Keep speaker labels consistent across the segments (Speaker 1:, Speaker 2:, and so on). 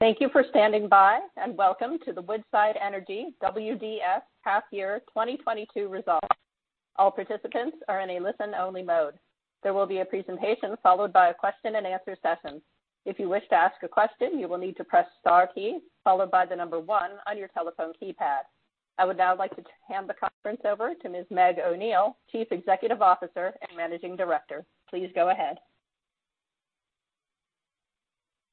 Speaker 1: Thank you for standing by, and welcome to the Woodside Energy WDS half year 2022 Results. All participants are in a listen-only mode. There will be a presentation followed by a question-and-answer session. If you wish to ask a question, you will need to press star key followed by the number one on your telephone keypad. I would now like to hand the conference over to Ms. Meg O'Neill, Chief Executive Officer and Managing Director. Please go ahead.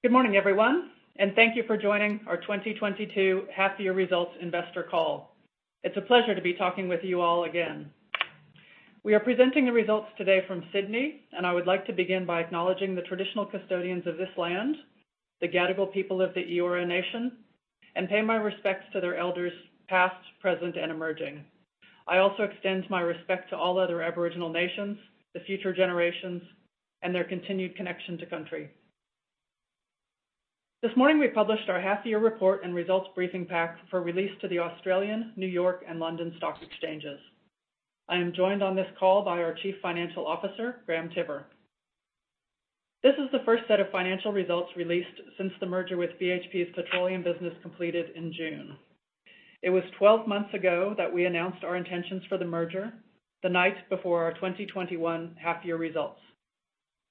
Speaker 2: Good morning, everyone, and thank you for joining our 2022 half-year results investor call. It's a pleasure to be talking with you all again. We are presenting the results today from Sydney, and I would like to begin by acknowledging the traditional custodians of this land, the Gadigal people of the Eora Nation, and pay my respects to their elders past, present, and emerging. I also extend my respect to all other Aboriginal nations, the future generations, and their continued connection to country. This morning we published our half-year report and results briefing pack for release to the Australian, New York, and London stock exchanges. I am joined on this call by our Chief Financial Officer, Graham Tiver. This is the first set of financial results released since the merger with BHP's petroleum business completed in June. It was 12 months ago that we announced our intentions for the merger the night before our 2021 half-year results.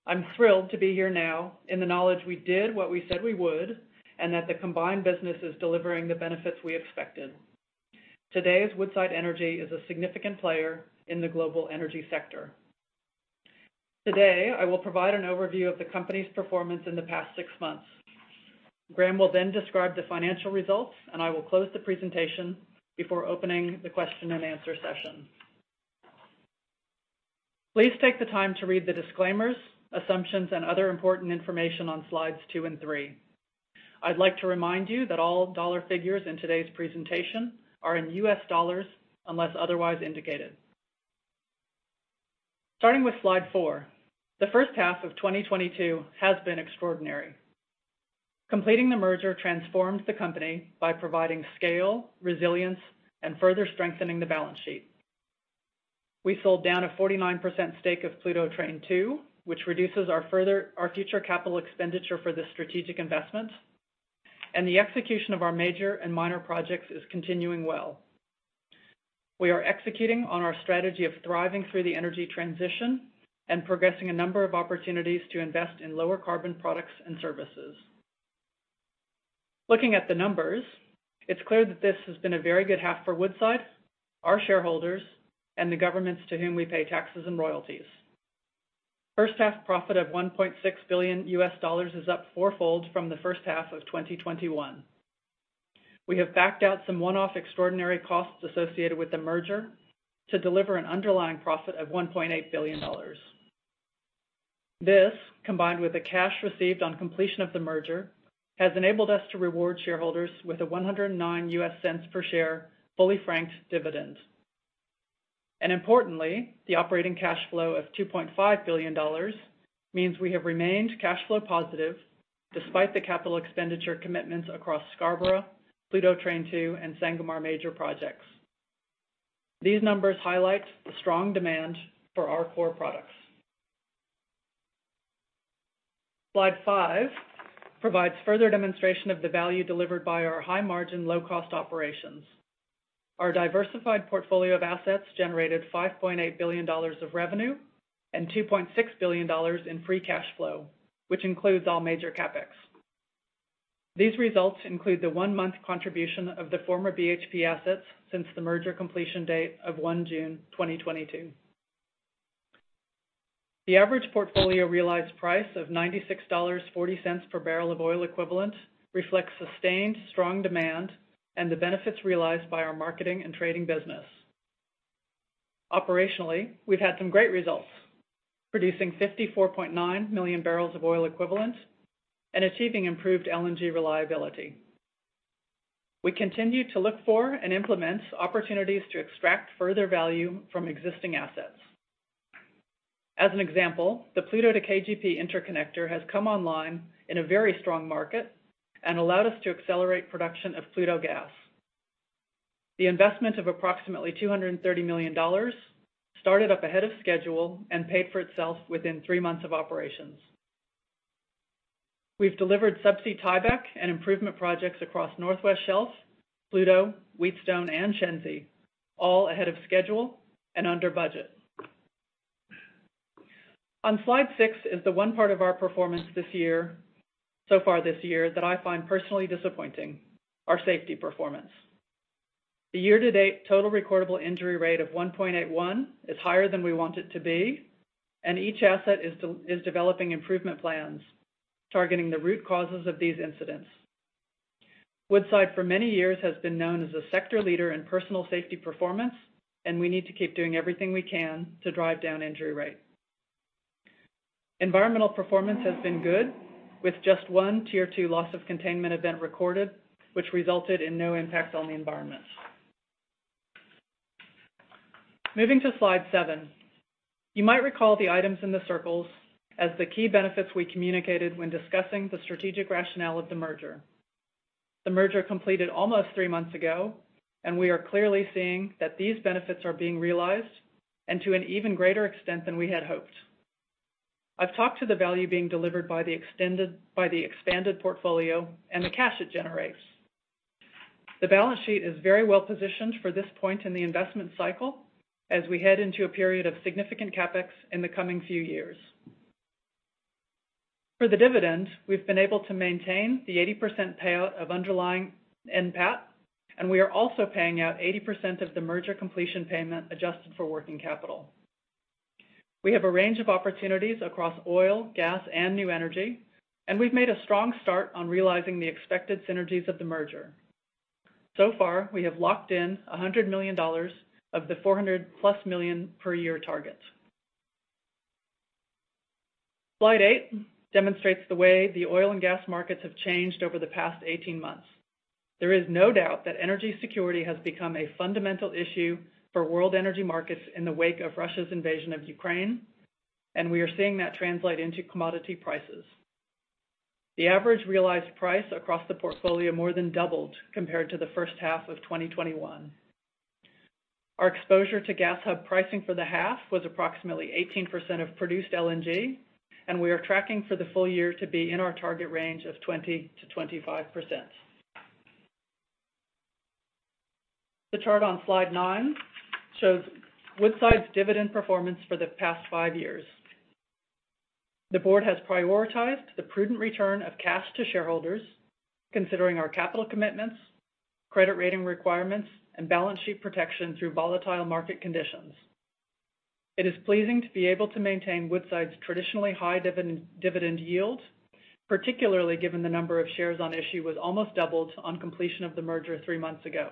Speaker 2: I'm thrilled to be here now in the knowledge we did what we said we would, and that the combined business is delivering the benefits we expected. Today's Woodside Energy is a significant player in the global energy sector. Today, I will provide an overview of the company's performance in the past six months. Graham will then describe the financial results, and I will close the presentation before opening the question-and-answer session. Please take the time to read the disclaimers, assumptions, and other important information on slides two and three. I'd like to remind you that all dollar figures in today's presentation are in U.S. dollars, unless otherwise indicated. Starting with slide four, the first half of 2022 has been extraordinary. Completing the merger transformed the company by providing scale, resilience, and further strengthening the balance sheet. We sold down a 49% stake of Pluto Train 2, which reduces our future capital expenditure for the strategic investment, and the execution of our major and minor projects is continuing well. We are executing on our strategy of thriving through the energy transition and progressing a number of opportunities to invest in lower carbon products and services. Looking at the numbers, it's clear that this has been a very good half for Woodside, our shareholders, and the governments to whom we pay taxes and royalties. First half profit of $1.6 billion is up four-fold from the first half of 2021. We have backed out some one-off extraordinary costs associated with the merger to deliver an underlying profit of $1.8 billion. This, combined with the cash received on completion of the merger, has enabled us to reward shareholders with a $1.09 per share, fully franked dividend. Importantly, the operating cash flow of $2.5 billion means we have remained cash flow positive despite the capital expenditure commitments across Scarborough, Pluto Train 2, and Sangomar major projects. These numbers highlight the strong demand for our core products. Slide five provides further demonstration of the value delivered by our high-margin, low-cost operations. Our diversified portfolio of assets generated $5.8 billion of revenue and $2.6 billion in free cash flow, which includes all major CapEx. These results include the one-month contribution of the former BHP assets since the merger completion date of 1 June 2022. The average portfolio realized price of $96.40 per barrel of oil equivalent reflects sustained strong demand and the benefits realized by our marketing and trading business. Operationally, we've had some great results, producing 54.9 million bbl of oil equivalent and achieving improved LNG reliability. We continue to look for and implement opportunities to extract further value from existing assets. As an example, the Pluto to KGP interconnector has come online in a very strong market and allowed us to accelerate production of Pluto gas. The investment of approximately $230 million started up ahead of schedule and paid for itself within three months of operations. We've delivered subsea tieback and improvement projects across North West Shelf, Pluto, Wheatstone, and Shenzi, all ahead of schedule and under budget. On slide six is the one part of our performance this year, so far this year, that I find personally disappointing, our safety performance. The year-to-date total recordable injury rate of 1.81 is higher than we want it to be, and each asset is developing improvement plans, targeting the root causes of these incidents. Woodside, for many years, has been known as a sector leader in personal safety performance, and we need to keep doing everything we can to drive down injury rate. Environmental performance has been good, with just one Tier 2 loss of containment event recorded, which resulted in no impact on the environment. Moving to slide seven. You might recall the items in the circles as the key benefits we communicated when discussing the strategic rationale of the merger. The merger completed almost three months ago, and we are clearly seeing that these benefits are being realized, and to an even greater extent than we had hoped. I've talked to the value being delivered by the expanded portfolio and the cash it generates. The balance sheet is very well-positioned for this point in the investment cycle as we head into a period of significant CapEx in the coming few years. For the dividend, we've been able to maintain the 80% payout of underlying NPAT, and we are also paying out 80% of the merger completion payment adjusted for working capital. We have a range of opportunities across oil, gas, and new energy, and we've made a strong start on realizing the expected synergies of the merger. Far, we have locked in $100 million of the $400+ million per year targets. Slide eight demonstrates the way the oil and gas markets have changed over the past 18 months. There is no doubt that energy security has become a fundamental issue for world energy markets in the wake of Russia's invasion of Ukraine, and we are seeing that translate into commodity prices. The average realized price across the portfolio more than doubled compared to the first half of 2021. Our exposure to gas hub pricing for the half was approximately 18% of produced LNG, and we are tracking for the full year to be in our target range of 20%-25%. The chart on slide nine shows Woodside's dividend performance for the past five years. The board has prioritized the prudent return of cash to shareholders, considering our capital commitments, credit rating requirements, and balance sheet protection through volatile market conditions. It is pleasing to be able to maintain Woodside's traditionally high dividend yield, particularly given the number of shares on issue was almost doubled on completion of the merger three months ago.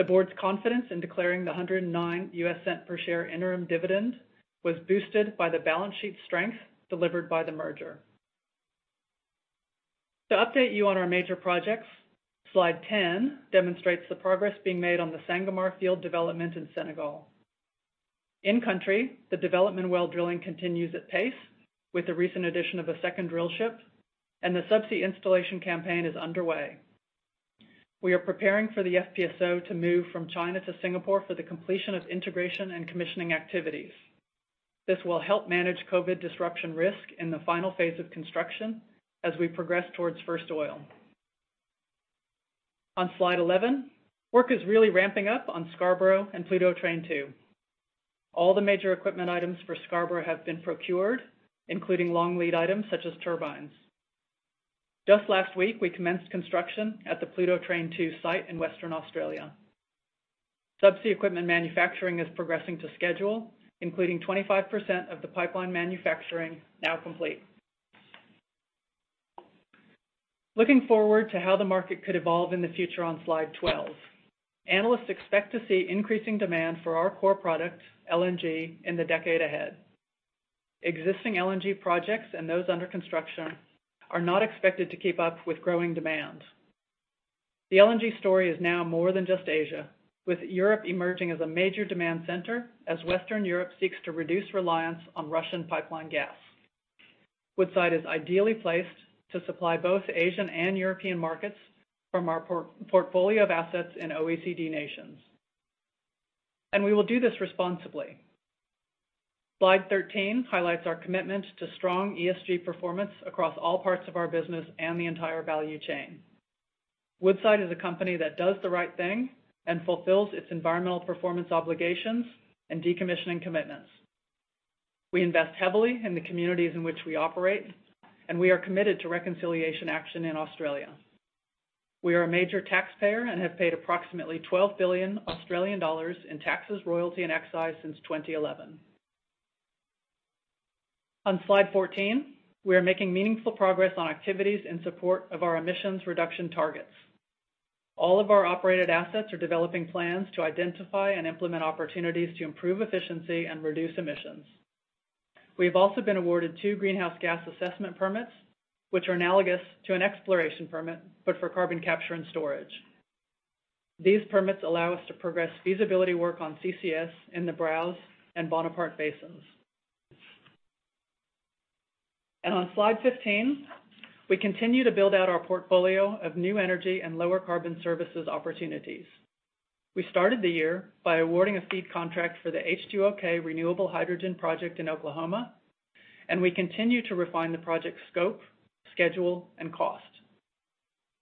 Speaker 2: The board's confidence in declaring the $1.09 per share interim dividend was boosted by the balance sheet's strength delivered by the merger. To update you on our major projects, slide 10 demonstrates the progress being made on the Sangomar field development in Senegal. In country, the development well drilling continues at pace with the recent addition of a second drill ship, and the subsea installation campaign is underway. We are preparing for the FPSO to move from China to Singapore for the completion of integration and commissioning activities. This will help manage COVID disruption risk in the final phase of construction as we progress towards first oil. On slide 11, work is really ramping up on Scarborough and Pluto Train 2. All the major equipment items for Scarborough have been procured, including long lead items such as turbines. Just last week, we commenced construction at the Pluto Train 2 site in Western Australia. Subsea equipment manufacturing is progressing to schedule, including 25% of the pipeline manufacturing now complete. Looking forward to how the market could evolve in the future on slide 12, analysts expect to see increasing demand for our core product, LNG, in the decade ahead. Existing LNG projects and those under construction are not expected to keep up with growing demand. The LNG story is now more than just Asia, with Europe emerging as a major demand center as Western Europe seeks to reduce reliance on Russian pipeline gas. Woodside is ideally placed to supply both Asian and European markets from our portfolio of assets in OECD nations. We will do this responsibly. Slide 13 highlights our commitment to strong ESG performance across all parts of our business and the entire value chain. Woodside is a company that does the right thing and fulfills its environmental performance obligations and decommissioning commitments. We invest heavily in the communities in which we operate, and we are committed to reconciliation action in Australia. We are a major taxpayer and have paid approximately 12 billion Australian dollars in taxes, royalty, and excise since 2011. On slide 14, we are making meaningful progress on activities in support of our emissions reduction targets. All of our operated assets are developing plans to identify and implement opportunities to improve efficiency and reduce emissions. We have also been awarded two greenhouse gas assessment permits, which are analogous to an exploration permit, but for carbon capture and storage. These permits allow us to progress feasibility work on CCS in the Browse and Bonaparte basins. On slide 15, we continue to build out our portfolio of new energy and lower carbon services opportunities. We started the year by awarding a FEED contract for the H2OK renewable hydrogen project in Oklahoma, and we continue to refine the project scope, schedule, and cost.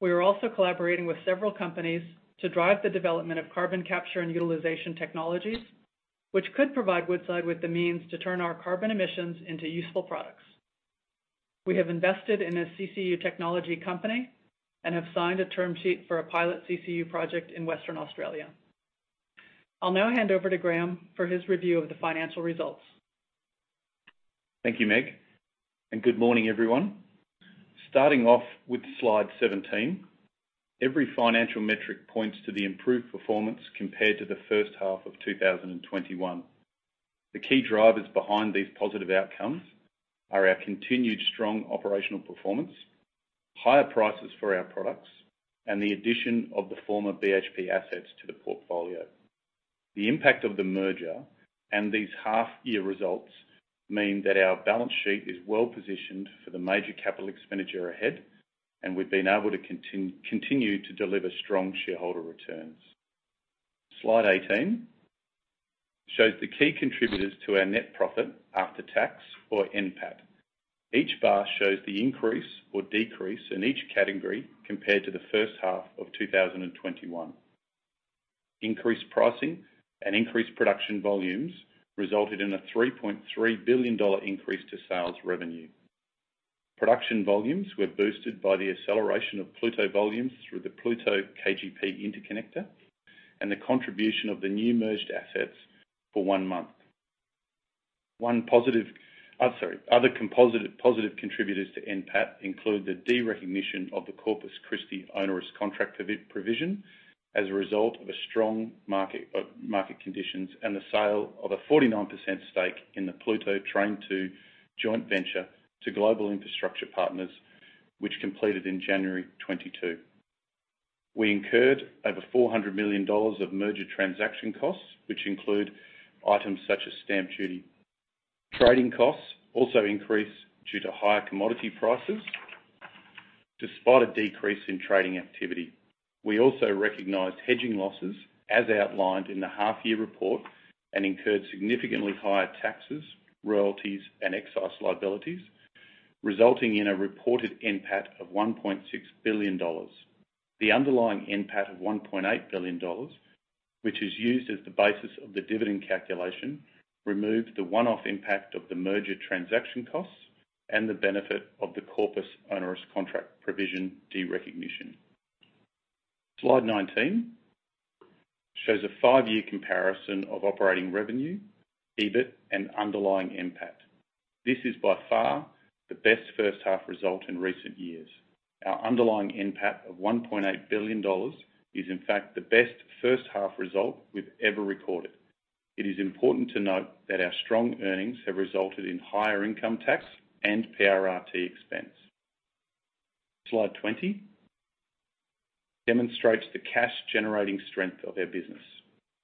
Speaker 2: We are also collaborating with several companies to drive the development of carbon capture and utilization technologies, which could provide Woodside with the means to turn our carbon emissions into useful products. We have invested in a CCU technology company and have signed a term sheet for a pilot CCU project in Western Australia. I'll now hand over to Graham for his review of the financial results.
Speaker 3: Thank you, Meg, and good morning, everyone. Starting off with slide 17, every financial metric points to the improved performance compared to the first half of 2021. The key drivers behind these positive outcomes are our continued strong operational performance, higher prices for our products, and the addition of the former BHP assets to the portfolio. The impact of the merger and these half-year results mean that our balance sheet is well-positioned for the major capital expenditure ahead, and we've been able to continue to deliver strong shareholder returns. Slide 18 shows the key contributors to our net profit after tax or NPAT. Each bar shows the increase or decrease in each category compared to the first half of 2021. Increased pricing and increased production volumes resulted in a $3.3 billion increase to sales revenue. Production volumes were boosted by the acceleration of Pluto volumes through the Pluto KGP Interconnector, and the contribution of the new merged assets for one month. Other positive contributors to NPAT include the derecognition of the Corpus Christi onerous contract provision as a result of a strong market conditions and the sale of a 49% stake in the Pluto Train 2 joint venture to Global Infrastructure Partners, which completed in January 2022. We incurred over $400 million of merger transaction costs, which include items such as stamp duty. Trading costs also increased due to higher commodity prices despite a decrease in trading activity. We also recognized hedging losses as outlined in the half-year report, and incurred significantly higher taxes, royalties, and excise liabilities, resulting in a reported NPAT of $1.6 billion. The underlying NPAT of $1.8 billion, which is used as the basis of the dividend calculation, removed the one-off impact of the merger transaction costs and the benefit of the Corpus onerous contract provision derecognition. Slide 19 shows a five-year comparison of operating revenue, EBIT and underlying NPAT. This is by far the best first half result in recent years. Our underlying NPAT of $1.8 billion is in fact the best first half result we've ever recorded. It is important to note that our strong earnings have resulted in higher income tax and PRRT expense. Slide 20 demonstrates the cash generating strength of our business.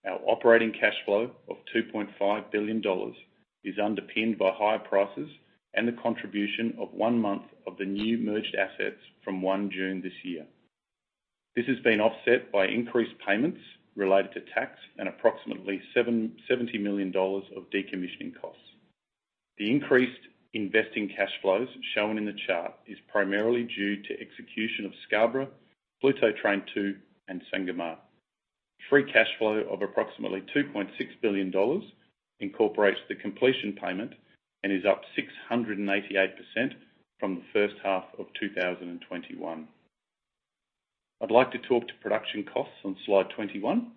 Speaker 3: Our operating cash flow of $2.5 billion is underpinned by higher prices and the contribution of one month of the new merged assets from 1 June this year. This has been offset by increased payments related to tax and approximately $770 million of decommissioning costs. The increased investing cash flows shown in the chart is primarily due to execution of Scarborough, Pluto Train 2, and Sangomar. Free cash flow of approximately $2.6 billion incorporates the completion payment and is up 688% from the first half of 2021. I'd like to talk to production costs on slide 21.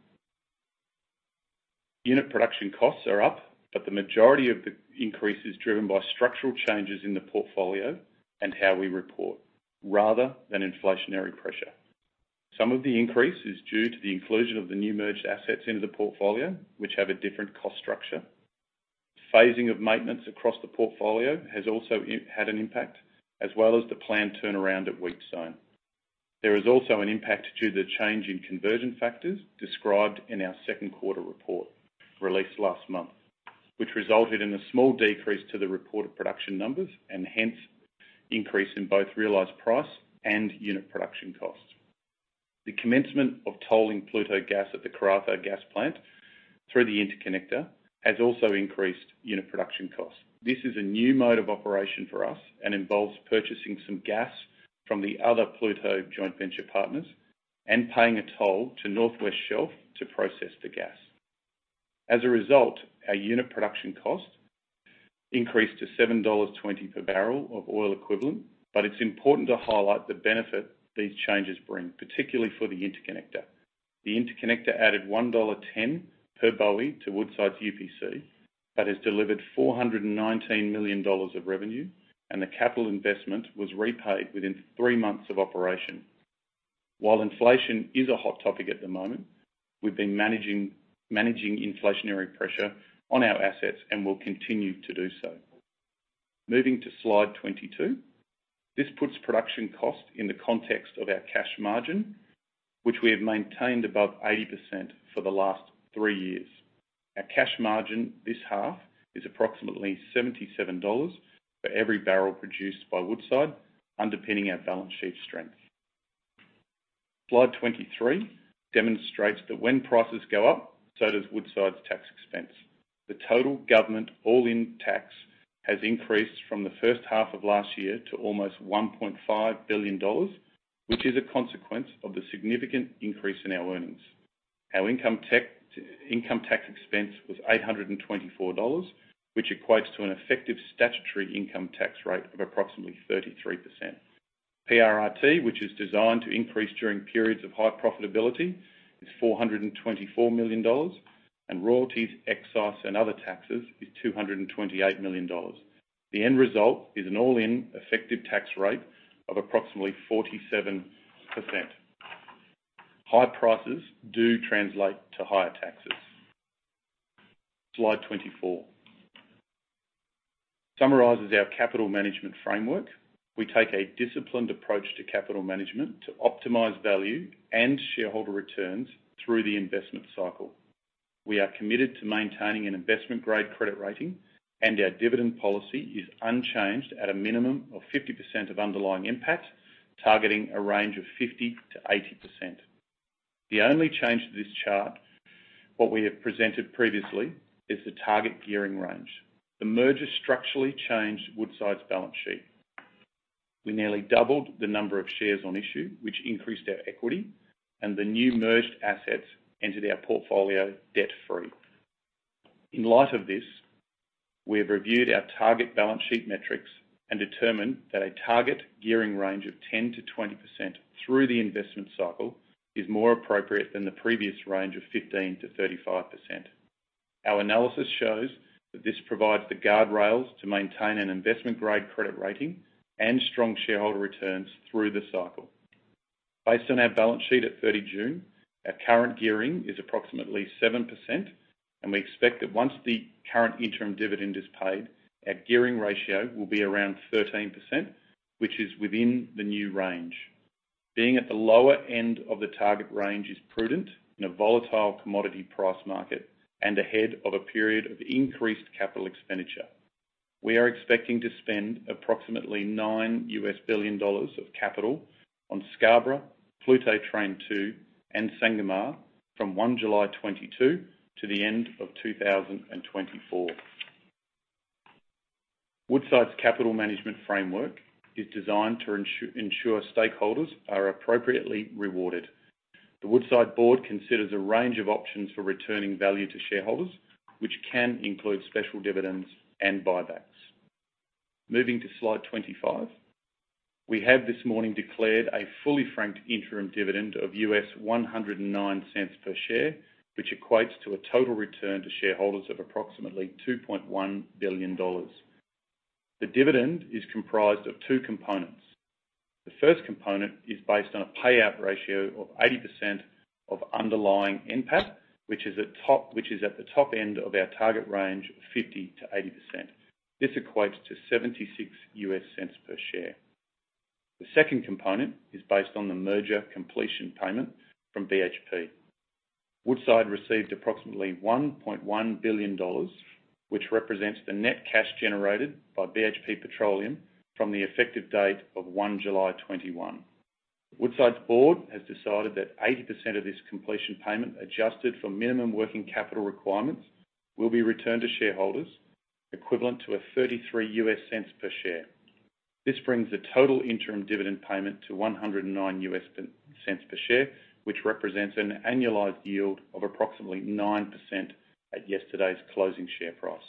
Speaker 3: Unit production costs are up, but the majority of the increase is driven by structural changes in the portfolio and how we report rather than inflationary pressure. Some of the increase is due to the inclusion of the new merged assets into the portfolio, which have a different cost structure. Phasing of maintenance across the portfolio has also had an impact, as well as the planned turnaround at Wheatstone. There is also an impact due to the change in conversion factors described in our second quarter report released last month, which resulted in a small decrease to the reported production numbers and hence increase in both realized price and unit production costs. The commencement of tolling Pluto gas at the Karratha gas plant through the Interconnector has also increased unit production costs. This is a new mode of operation for us and involves purchasing some gas from the other Pluto joint venture partners and paying a toll to North West Shelf to process the gas. As a result, our unit production cost increased to $7.20 per barrel of oil equivalent, but it's important to highlight the benefit these changes bring, particularly for the Interconnector. The Interconnector added $1.10 per BOE to Woodside's UPC that has delivered $419 million of revenue, and the capital investment was repaid within three months of operation. While inflation is a hot topic at the moment, we've been managing inflationary pressure on our assets and will continue to do so. Moving to slide 22. This puts production cost in the context of our cash margin, which we have maintained above 80% for the last three years. Our cash margin this half is approximately $77 for every barrel produced by Woodside, underpinning our balance sheet strength. Slide 23 demonstrates that when prices go up, so does Woodside's tax expense. The total government all-in tax has increased from the first half of last year to almost $1.5 billion, which is a consequence of the significant increase in our earnings. Our income tax, income tax expense was $824, which equates to an effective statutory income tax rate of approximately 33%. PRRT, which is designed to increase during periods of high profitability, is $424 million, and royalties, excise, and other taxes is $228 million. The end result is an all-in effective tax rate of approximately 47%. High prices do translate to higher taxes. Slide 24 summarizes our capital management framework. We take a disciplined approach to capital management to optimize value and shareholder returns through the investment cycle. We are committed to maintaining an investment-grade credit rating, and our dividend policy is unchanged at a minimum of 50% of underlying impact, targeting a range of 50%-80%. The only change to this chart, what we have presented previously is the target gearing range. The merger structurally changed Woodside's balance sheet. We nearly doubled the number of shares on issue, which increased our equity, and the new merged assets entered our portfolio debt-free. In light of this, we have reviewed our target balance sheet metrics and determined that a target gearing range of 10%-20% through the investment cycle is more appropriate than the previous range of 15%-35%. Our analysis shows that this provides the guardrails to maintain an investment-grade credit rating and strong shareholder returns through the cycle. Based on our balance sheet at 30 June, our current gearing is approximately 7%, and we expect that once the current interim dividend is paid, our gearing ratio will be around 13%, which is within the new range. Being at the lower end of the target range is prudent in a volatile commodity price market and ahead of a period of increased capital expenditure. We are expecting to spend approximately $9 billion of capital on Scarborough, Pluto Train 2, and Sangomar from 1 July 2022 to the end of 2024. Woodside's capital management framework is designed to ensure stakeholders are appropriately rewarded. The Woodside board considers a range of options for returning value to shareholders, which can include special dividends and buybacks. Moving to slide 25. We have this morning declared a fully franked interim dividend of $1.09 per share, which equates to a total return to shareholders of approximately $2.1 billion. The dividend is comprised of two components. The first component is based on a payout ratio of 80% of underlying NPAT, which is at the top end of our target range of 50%-80%. This equates to $0.76 per share. The second component is based on the merger completion payment from BHP. Woodside received approximately $1.1 billion, which represents the net cash generated by BHP Petroleum from the effective date of 1 July 2021. Woodside's board has decided that 80% of this completion payment, adjusted for minimum working capital requirements, will be returned to shareholders, equivalent to $0.33 per share. This brings the total interim dividend payment to $1.09 per share, which represents an annualized yield of approximately 9% at yesterday's closing share price.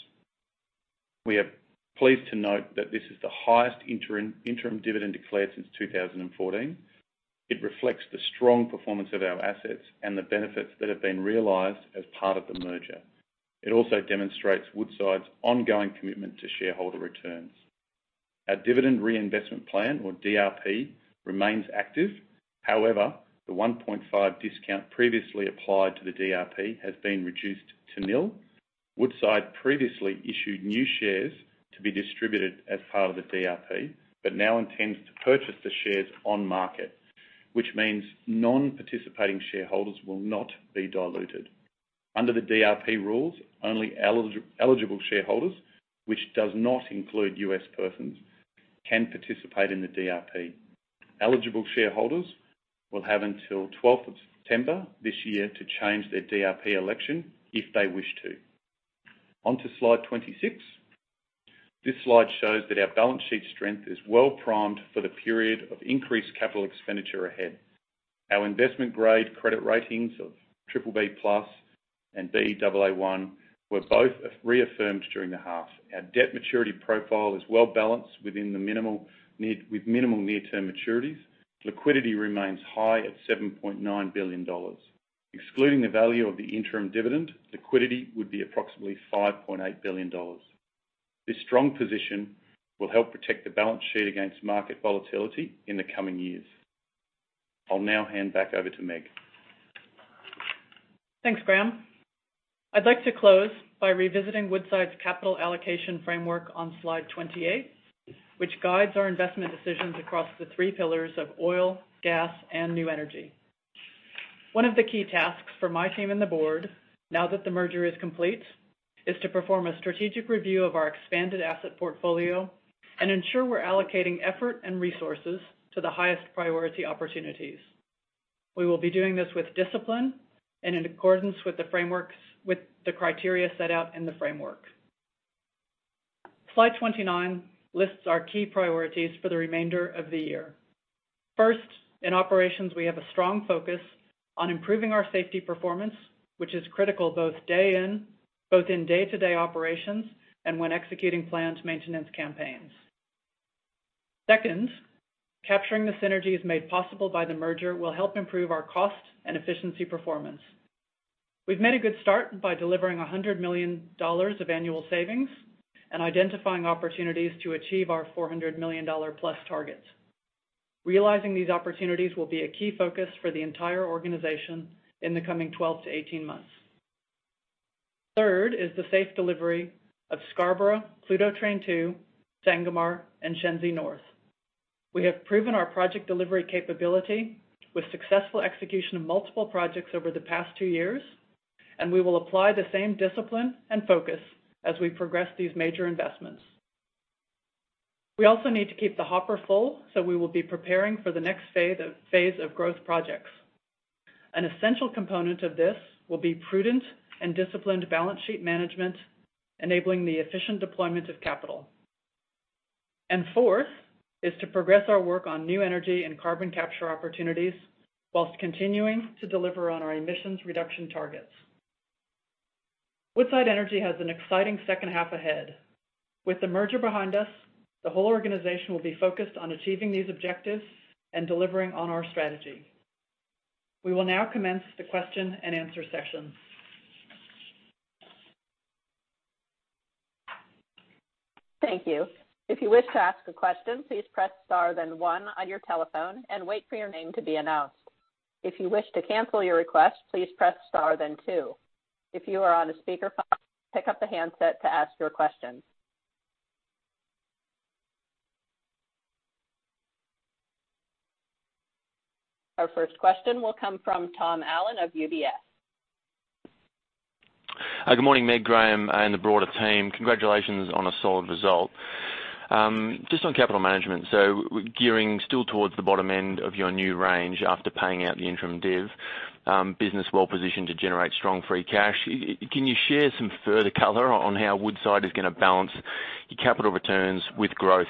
Speaker 3: We are pleased to note that this is the highest interim dividend declared since 2014. It reflects the strong performance of our assets and the benefits that have been realized as part of the merger. It also demonstrates Woodside's ongoing commitment to shareholder returns. Our dividend reinvestment plan, or DRP, remains active. However, the 1.5 discount previously applied to the DRP has been reduced to nil. Woodside previously issued new shares to be distributed as part of the DRP, but now intends to purchase the shares on market, which means non-participating shareholders will not be diluted. Under the DRP rules, only eligible shareholders, which does not include U.S. persons, can participate in the DRP. Eligible shareholders will have until 12th of September this year to change their DRP election if they wish to. Onto slide 26. This slide shows that our balance sheet strength is well primed for the period of increased capital expenditure ahead. Our investment-grade credit ratings of BBB+ and Baa1 were both reaffirmed during the half. Our debt maturity profile is well balanced with minimal near-term maturities. Liquidity remains high at $7.9 billion. Excluding the value of the interim dividend, liquidity would be approximately $5.8 billion. This strong position will help protect the balance sheet against market volatility in the coming years. I'll now hand back over to Meg.
Speaker 2: Thanks, Graham. I'd like to close by revisiting Woodside's capital allocation framework on slide 28, which guides our investment decisions across the three pillars of oil, gas, and new energy. One of the key tasks for my team and the board, now that the merger is complete, is to perform a strategic review of our expanded asset portfolio and ensure we're allocating effort and resources to the highest priority opportunities. We will be doing this with discipline and in accordance with the criteria set out in the framework. Slide 29 lists our key priorities for the remainder of the year. First, in operations, we have a strong focus on improving our safety performance, which is critical both in day-to-day operations and when executing planned maintenance campaigns. Second, capturing the synergies made possible by the merger will help improve our cost and efficiency performance. We've made a good start by delivering $100 million of annual savings and identifying opportunities to achieve our $400 million+ targets. Realizing these opportunities will be a key focus for the entire organization in the coming 12 to 18 months. Third is the safe delivery of Scarborough, Pluto Train 2, Sangomar, and Shenzi North. We have proven our project delivery capability with successful execution of multiple projects over the past two years, and we will apply the same discipline and focus as we progress these major investments. We also need to keep the hopper full, so we will be preparing for the next phase of growth projects. An essential component of this will be prudent and disciplined balance sheet management, enabling the efficient deployment of capital. Fourth is to progress our work on new energy and carbon capture opportunities while continuing to deliver on our emissions reduction targets. Woodside Energy has an exciting second half ahead. With the merger behind us, the whole organization will be focused on achieving these objectives and delivering on our strategy. We will now commence the question-and-answer session.
Speaker 1: Thank you. If you wish to ask a question, please press star then one on your telephone and wait for your name to be announced. If you wish to cancel your request, please press star then two. If you are on a speakerphone, pick up the handset to ask your question. Our first question will come from Tom Allen of UBS.
Speaker 4: Good morning, Meg, Graham and the broader team. Congratulations on a solid result. Just on capital management. Gearing still towards the bottom end of your new range after paying out the interim div, business well positioned to generate strong free cash. Can you share some further color on how Woodside is gonna balance your capital returns with growth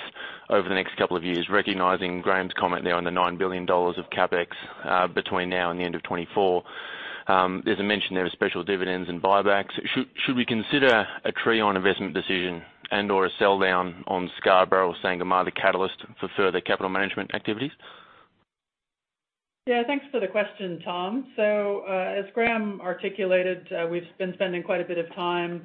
Speaker 4: over the next couple of years, recognizing Graham's comment there on the $9 billion of CapEx between now and the end of 2024? As I mentioned, there were special dividends and buybacks. Should we consider a Trion investment decision and/or a sell down on Scarborough or Sangomar, the catalyst for further capital management activities?
Speaker 2: Yeah, thanks for the question, Tom. As Graham articulated, we've been spending quite a bit of time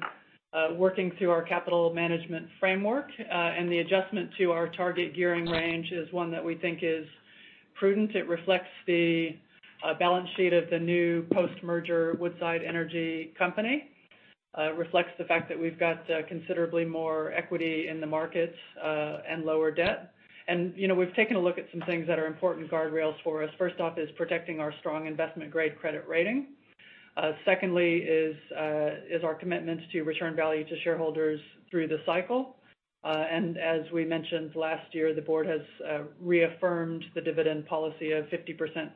Speaker 2: working through our capital management framework, and the adjustment to our target gearing range is one that we think is prudent. It reflects the balance sheet of the new post-merger Woodside Energy Group. It reflects the fact that we've got considerably more equity in the markets, and lower debt. You know, we've taken a look at some things that are important guardrails for us. First off is protecting our strong investment-grade credit rating. Secondly is our commitment to return value to shareholders through the cycle. As we mentioned last year, the board has reaffirmed the dividend policy of 50%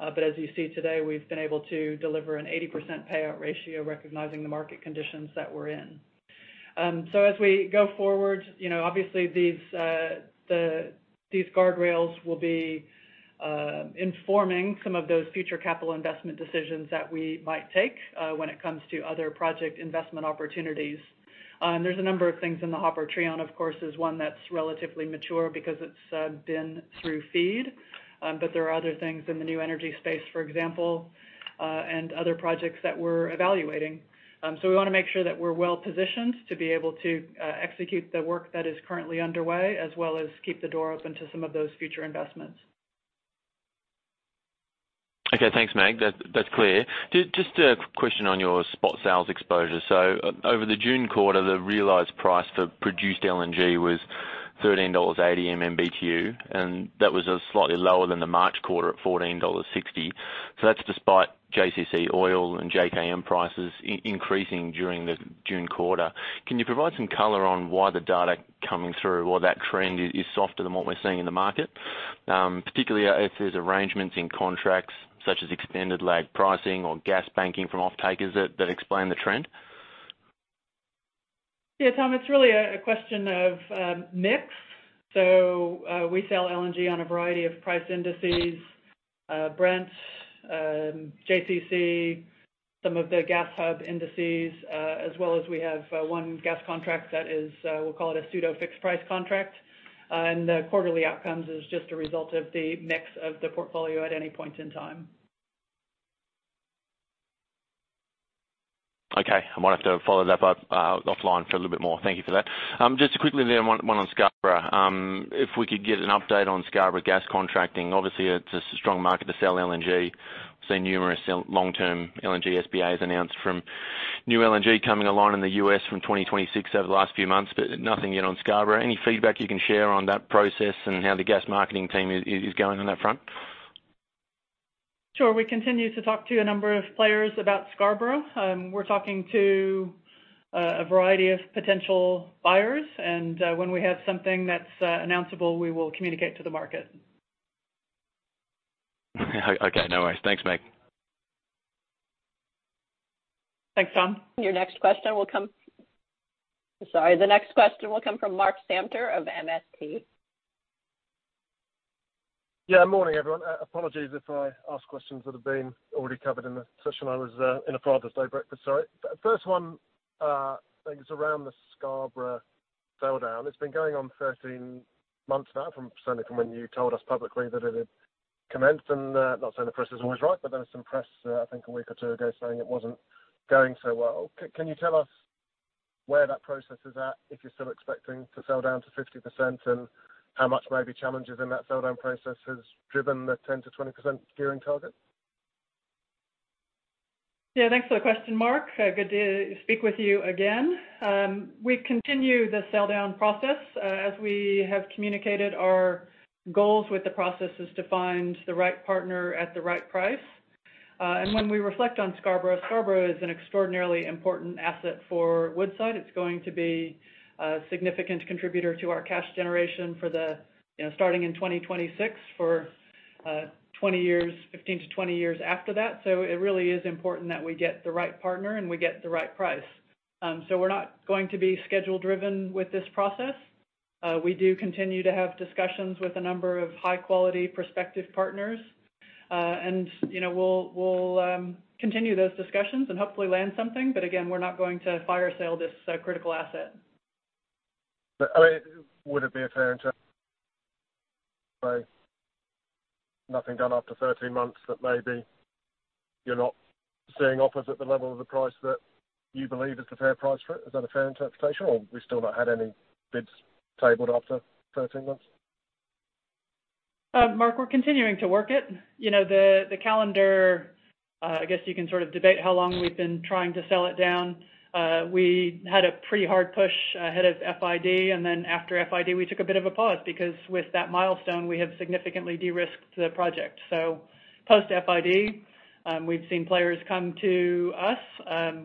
Speaker 2: payout. As you see today, we've been able to deliver an 80% payout ratio recognizing the market conditions that we're in. As we go forward, you know, obviously these guardrails will be informing some of those future capital investment decisions that we might take when it comes to other project investment opportunities. There's a number of things in the Trion, of course, is one that's relatively mature because it's been through FEED. There are other things in the new energy space, for example, and other projects that we're evaluating. We wanna make sure that we're well-positioned to be able to execute the work that is currently underway, as well as keep the door open to some of those future investments.
Speaker 4: Thanks, Meg. That's clear. Just a question on your spot sales exposure. Over the June quarter, the realized price for produced LNG was $13.80 MMBtu, and that was slightly lower than the March quarter at $14.60. That's despite JCC oil and JKM prices increasing during the June quarter. Can you provide some color on why the data coming through or that trend is softer than what we're seeing in the market? Particularly if there's arrangements in contracts such as extended lag pricing or gas banking from offtakers that explain the trend.
Speaker 2: Yeah, Tom, it's really a question of mix. We sell LNG on a variety of price indices, Brent, JCC, some of the gas hub indices, as well as we have one gas contract that is, we'll call it a pseudo-fixed price contract. And the quarterly outcomes is just a result of the mix of the portfolio at any point in time.
Speaker 4: Okay. I might have to follow that up, offline for a little bit more. Thank you for that. Just quickly, one on Scarborough. If we could get an update on Scarborough gas contracting. Obviously, it's a strong market to sell LNG. We've seen numerous long-term LNG SPAs announced from new LNG coming along in the U.S. from 2026 over the last few months, but nothing yet on Scarborough. Any feedback you can share on that process and how the gas marketing team is going on that front?
Speaker 2: Sure. We continue to talk to a number of players about Scarborough. We're talking to a variety of potential buyers, and when we have something that's announceable, we will communicate to the market.
Speaker 4: Okay. No worries. Thanks, Meg.
Speaker 2: Thanks, Tom.
Speaker 1: The next question will come from Mark Samter of MST.
Speaker 5: Morning, everyone. Apologies if I ask questions that have been already covered in the session. I was in a Father's Day breakfast. Sorry. First one, I think it's around the Scarborough sell-down. It's been going on 13 months now, certainly from when you told us publicly that it had commenced. Not saying the press is always right, but there was some press, I think a week or two ago, saying it wasn't going so well. Can you tell us where that process is at, if you're still expecting to sell down to 50% and how much maybe challenges in that sell down process has driven the 10%-20% gearing target?
Speaker 2: Yeah, thanks for the question, Mark. Good to speak with you again. We continue the sell-down process. As we have communicated our goals with the process is to find the right partner at the right price. When we reflect on Scarborough is an extraordinarily important asset for Woodside. It's going to be a significant contributor to our cash generation starting in 2026 for 20 years, 15-20 years after that. It really is important that we get the right partner and we get the right price. We're not going to be schedule driven with this process. We do continue to have discussions with a number of high-quality prospective partners, and we'll continue those discussions and hopefully land something. Again, we're not going to fire sale this critical asset.
Speaker 5: Would it be a fair interpretation to say nothing done after 13 months that maybe you're not seeing offers at the level of the price that you believe is the fair price for it? Is that a fair interpretation, or have we still not had any bids tabled after 13 months?
Speaker 2: Mark, we're continuing to work it. You know, the calendar, I guess you can sort of debate how long we've been trying to sell it down. We had a pretty hard push ahead of FID, and then after FID, we took a bit of a pause because with that milestone, we have significantly de-risked the project. Post-FID, we've seen players come to us,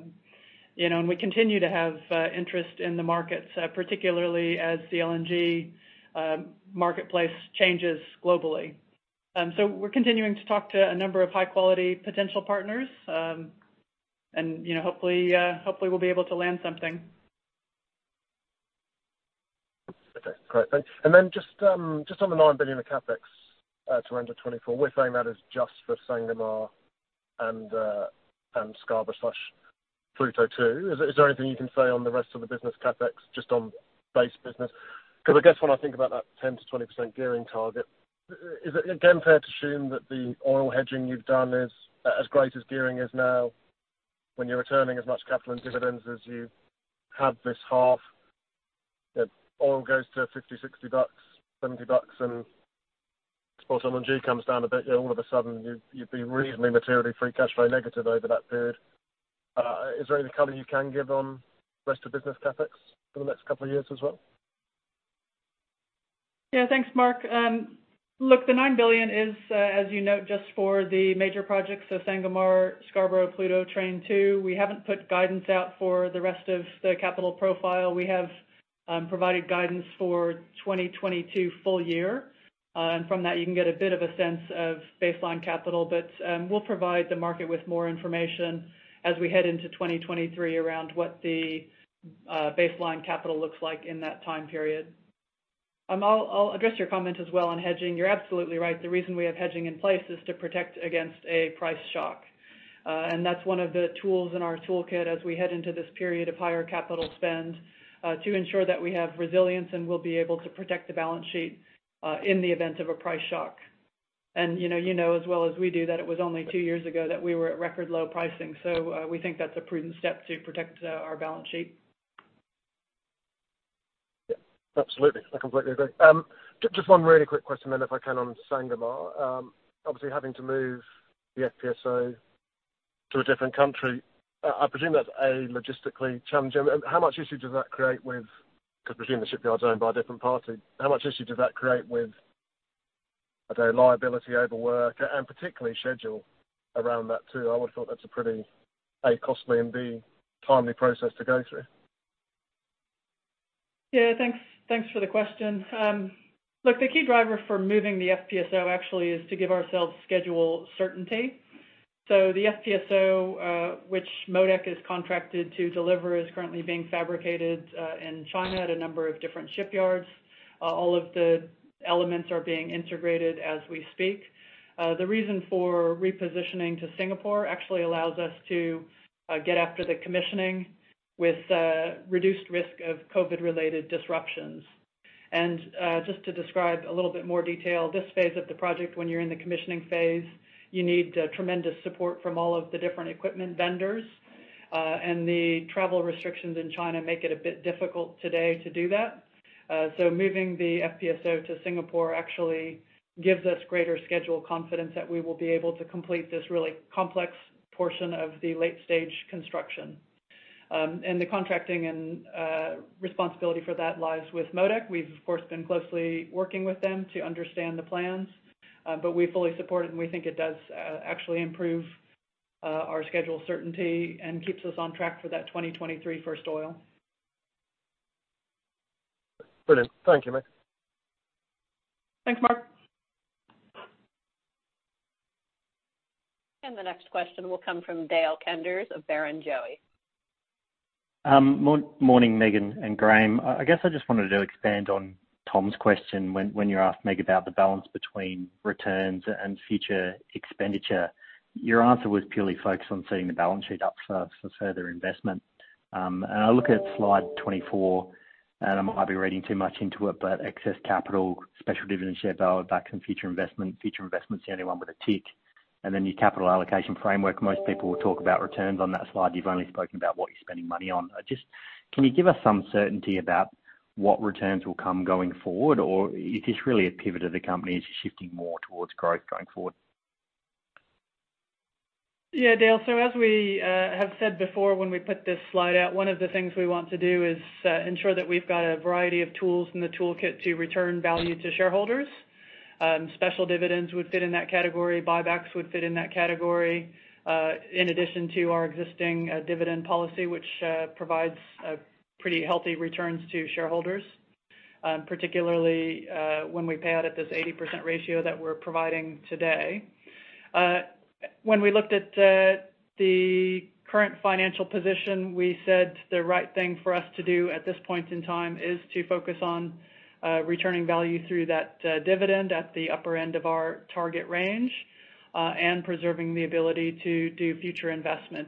Speaker 2: you know, and we continue to have interest in the market, particularly as the LNG marketplace changes globally. We're continuing to talk to a number of high-quality potential partners, and, you know, hopefully, we'll be able to land something.
Speaker 5: Okay, great. Then just on the $9 billion of CapEx to end of 2024, we're saying that is just for Sangomar and Scarborough / Pluto 2. Is there anything you can say on the rest of the business CapEx just on base business? Because I guess when I think about that 10%-20% gearing target, is it again fair to assume that the oil hedging you've done is as great as gearing is now when you're returning as much capital and dividends as you have this half? If oil goes to $50, $60, $70, and spot LNG comes down a bit, all of a sudden, you'd be reasonably materially free cash flow negative over that period. Is there any color you can give on rest of business CapEx for the next couple of years as well?
Speaker 2: Yeah. Thanks, Mark. Look, the $9 billion is, as you note, just for the major projects, so Sangomar, Scarborough, Pluto Train 2. We haven't put guidance out for the rest of the capital profile. We have provided guidance for 2022 full year. From that, you can get a bit of a sense of baseline capital, but we'll provide the market with more information as we head into 2023 around what the baseline capital looks like in that time period. I'll address your comment as well on hedging. You're absolutely right. The reason we have hedging in place is to protect against a price shock. That's one of the tools in our toolkit as we head into this period of higher capital spend to ensure that we have resilience and we'll be able to protect the balance sheet in the event of a price shock. You know, you know as well as we do that it was only two years ago that we were at record low pricing. We think that's a prudent step to protect our balance sheet.
Speaker 5: Yeah, absolutely. I completely agree. Just one really quick question then, if I can, on Sangomar. Obviously, having to move the FPSO to a different country, I presume that's logistically challenging. How much issue does that create with, I don't know, liability over work and particularly schedule around that, too? I would have thought that's a pretty, A, costly, and B, timely process to go through.
Speaker 2: Yeah. Thanks for the question. Look, the key driver for moving the FPSO actually is to give ourselves schedule certainty. The FPSO, which MODEC is contracted to deliver, is currently being fabricated in China at a number of different shipyards. All of the elements are being integrated as we speak. The reason for repositioning to Singapore actually allows us to get after the commissioning with reduced risk of COVID-related disruptions. Just to describe a little bit more detail, this phase of the project, when you're in the commissioning phase, you need tremendous support from all of the different equipment vendors. The travel restrictions in China make it a bit difficult today to do that. Moving the FPSO to Singapore actually gives us greater schedule confidence that we will be able to complete this really complex portion of the late-stage construction. The contracting and responsibility for that lies with MODEC. We've, of course, been closely working with them to understand the plans, but we fully support it, and we think it does actually improve our schedule certainty and keeps us on track for that 2023 first oil.
Speaker 5: Brilliant. Thank you, Megan.
Speaker 2: Thanks, Mark.
Speaker 1: The next question will come from Dale Koenders of Barrenjoey.
Speaker 6: Morning, Meg and Graham. I guess I just wanted to expand on Tom's question. When you asked Meg about the balance between returns and future expenditure, your answer was purely focused on setting the balance sheet up for further investment. I look at slide 24, and I might be reading too much into it, but excess capital, special dividend share, value back in future investment. Future investment is the only one with a tick. Then your capital allocation framework, most people will talk about returns on that slide. You've only spoken about what you're spending money on. Just, can you give us some certainty about what returns will come going forward, or is this really a pivot of the company is shifting more towards growth going forward?
Speaker 2: Yeah, Dale. As we have said before when we put this slide out, one of the things we want to do is ensure that we've got a variety of tools in the toolkit to return value to shareholders. Special dividends would fit in that category. Buybacks would fit in that category. In addition to our existing dividend policy, which provides pretty healthy returns to shareholders, particularly when we pay out at this 80% ratio that we're providing today. When we looked at the current financial position, we said the right thing for us to do at this point in time is to focus on returning value through that dividend at the upper end of our target range and preserving the ability to do future investment.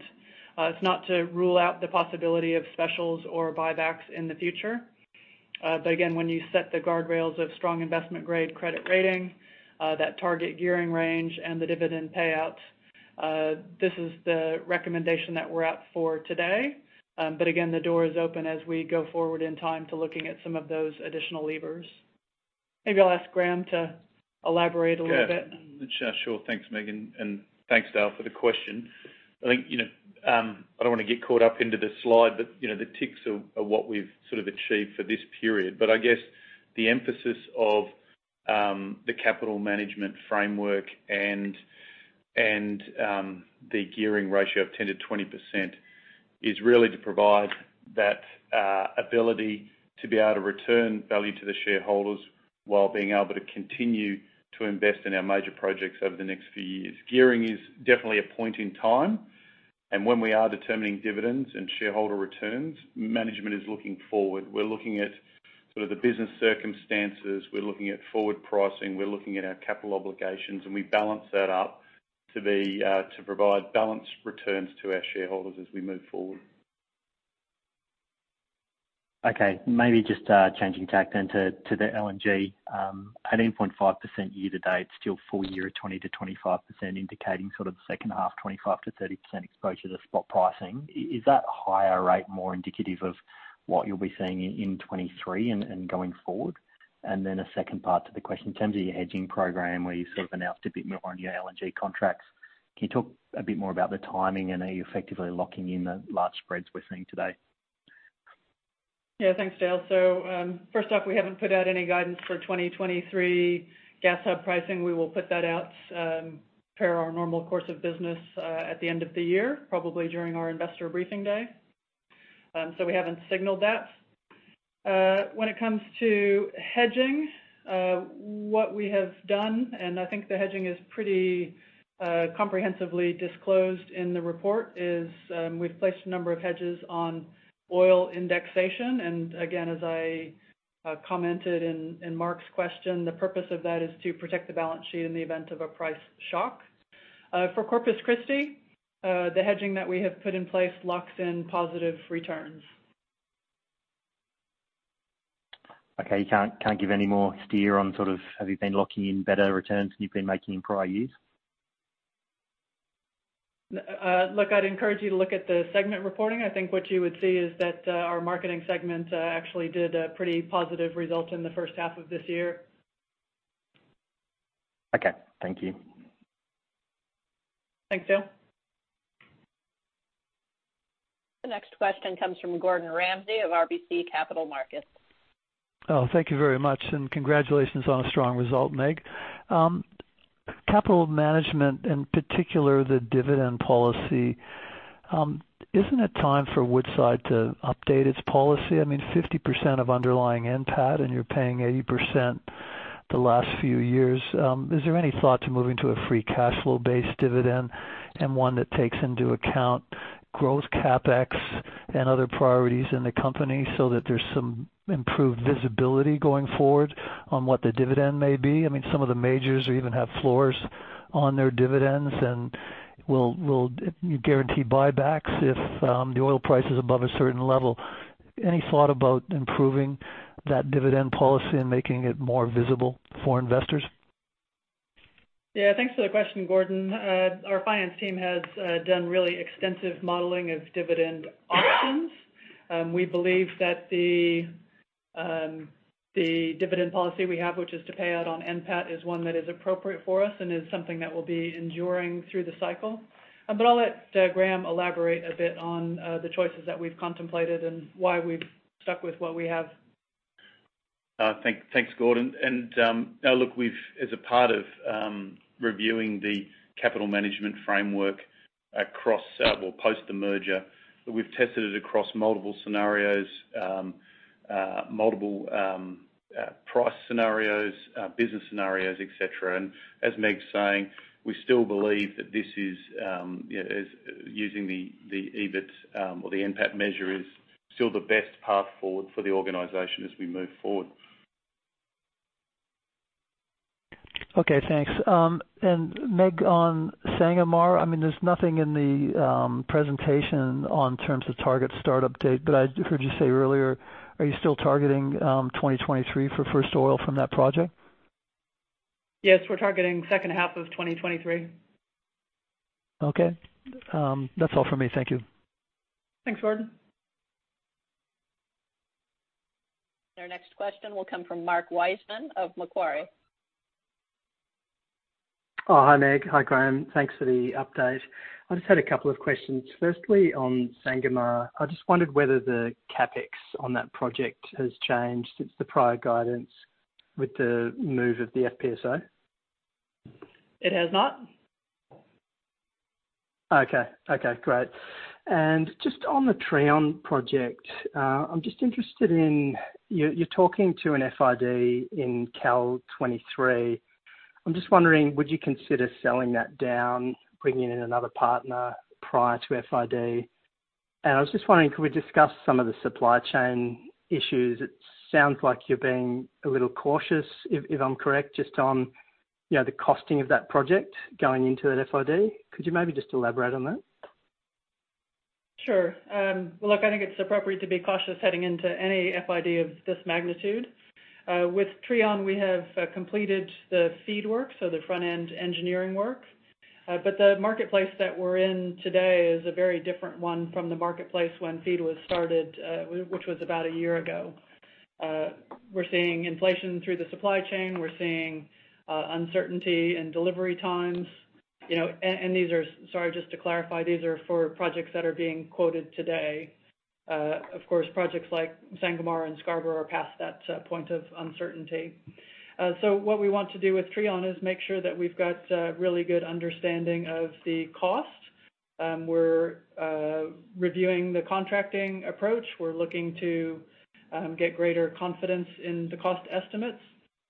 Speaker 2: It's not to rule out the possibility of specials or buybacks in the future. Again, when you set the guardrails of strong investment-grade credit rating, that target gearing range and the dividend payouts, this is the recommendation that we're at for today. Again, the door is open as we go forward in time to looking at some of those additional levers. Maybe I'll ask Graham to elaborate a little bit.
Speaker 3: Yeah. Sure. Thanks, Megan, and thanks, Dale, for the question. I think, you know, I don't wanna get caught up into the slide, but, you know, the ticks are what we've sort of achieved for this period. I guess the emphasis of the capital management framework and the gearing ratio of 10%-20% is really to provide that ability to be able to return value to the shareholders while being able to continue to invest in our major projects over the next few years. Gearing is definitely a point in time, and when we are determining dividends and shareholder returns, management is looking forward. We're looking at sort of the business circumstances. We're looking at forward pricing. We're looking at our capital obligations, and we balance that up to be, to provide balanced returns to our shareholders as we move forward.
Speaker 6: Okay. Maybe just changing tack then to the LNG. At 8.5% year to date, still full year at 20%-25%, indicating sort of second half, 25%-30% exposure to spot pricing. Is that higher rate more indicative of what you'll be seeing in 2023 and going forward? Then a second part to the question, in terms of your hedging program, where you sort of announced a bit more on your LNG contracts, can you talk a bit more about the timing and are you effectively locking in the large spreads we're seeing today?
Speaker 2: Yeah. Thanks, Dale. First off, we haven't put out any guidance for 2023 gas hub pricing. We will put that out per our normal course of business at the end of the year, probably during our investor briefing day. We haven't signaled that. When it comes to hedging, what we have done, and I think the hedging is pretty comprehensively disclosed in the report, is we've placed a number of hedges on oil indexation. Again, as I commented in Mark's question, the purpose of that is to protect the balance sheet in the event of a price shock. For Corpus Christi, the hedging that we have put in place locks in positive returns.
Speaker 6: Okay. You can't give any more steer on sort of have you been locking in better returns than you've been making in prior years?
Speaker 2: Look, I'd encourage you to look at the segment reporting. I think what you would see is that, our marketing segment, actually did a pretty positive result in the first half of this year.
Speaker 6: Okay. Thank you.
Speaker 2: Thanks, Dale.
Speaker 1: The next question comes from Gordon Ramsay of RBC Capital Markets.
Speaker 7: Oh, thank you very much, and congratulations on a strong result, Meg. Capital management, in particular the dividend policy, isn't it time for Woodside to update its policy? I mean, 50% of underlying NPAT and you're paying 80% the last few years. Is there any thought to moving to a free cash flow-based dividend and one that takes into account growth CapEx and other priorities in the company so that there's some improved visibility going forward on what the dividend may be? I mean, some of the majors even have floors on their dividends and will you guarantee buybacks if the oil price is above a certain level. Any thought about improving that dividend policy and making it more visible for investors?
Speaker 2: Yeah. Thanks for the question, Gordon. Our finance team has done really extensive modeling of dividend options. We believe that the dividend policy we have, which is to pay out on NPAT, is one that is appropriate for us and is something that will be enduring through the cycle. I'll let Graham elaborate a bit on the choices that we've contemplated and why we've stuck with what we have.
Speaker 3: Thanks, Gordon. Now look, as a part of reviewing the capital management framework across, or post the merger, we've tested it across multiple scenarios, price scenarios, business scenarios, et cetera. As Meg's saying, we still believe that this is, you know, using the EBIT or the NPAT measure is still the best path forward for the organization as we move forward.
Speaker 7: Okay, thanks. Meg, on Sangomar, I mean, there's nothing in the presentation in terms of target startup date, but I heard you say earlier, are you still targeting 2023 for first oil from that project?
Speaker 2: Yes, we're targeting second half of 2023.
Speaker 7: Okay. That's all for me. Thank you.
Speaker 2: Thanks, Gordon.
Speaker 1: Our next question will come from Mark Wiseman of Macquarie.
Speaker 8: Oh, hi, Meg. Hi, Graham. Thanks for the update. I just had a couple of questions. Firstly, on Sangomar, I just wondered whether the CapEx on that project has changed since the prior guidance with the move of the FPSO.
Speaker 2: It has not.
Speaker 8: Okay, great. Just on the Trion project, I'm just interested in you're talking to an FID in cal 2023. I'm just wondering, would you consider selling that down, bringing in another partner prior to FID? I was just wondering, could we discuss some of the supply chain issues? It sounds like you're being a little cautious, if I'm correct, just on, you know, the costing of that project going into an FID. Could you maybe just elaborate on that?
Speaker 2: Sure. Look, I think it's appropriate to be cautious heading into any FID of this magnitude. With Trion, we have completed the FEED work, so the front-end engineering work. The marketplace that we're in today is a very different one from the marketplace when FEED was started, which was about a year ago. We're seeing inflation through the supply chain. We're seeing uncertainty in delivery times, you know. These are, sorry, just to clarify, for projects that are being quoted today. Of course, projects like Sangomar and Scarborough are past that point of uncertainty. What we want to do with Trion is make sure that we've got really good understanding of the cost. We're reviewing the contracting approach. We're looking to get greater confidence in the cost estimates.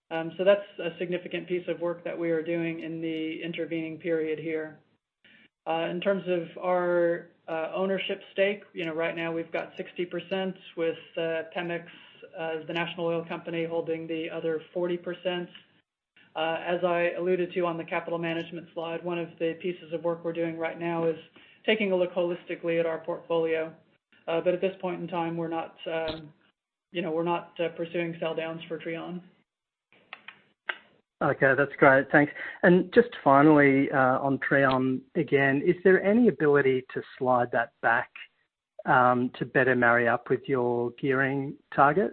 Speaker 2: That's a significant piece of work that we are doing in the intervening period here. In terms of our ownership stake, you know, right now we've got 60% with Pemex, the national oil company, holding the other 40%. As I alluded to on the capital management slide, one of the pieces of work we're doing right now is taking a look holistically at our portfolio. At this point in time, we're not, you know, pursuing sell downs for Trion.
Speaker 8: Okay, that's great. Thanks. Just finally, on Trion again, is there any ability to slide that back to better marry up with your gearing target?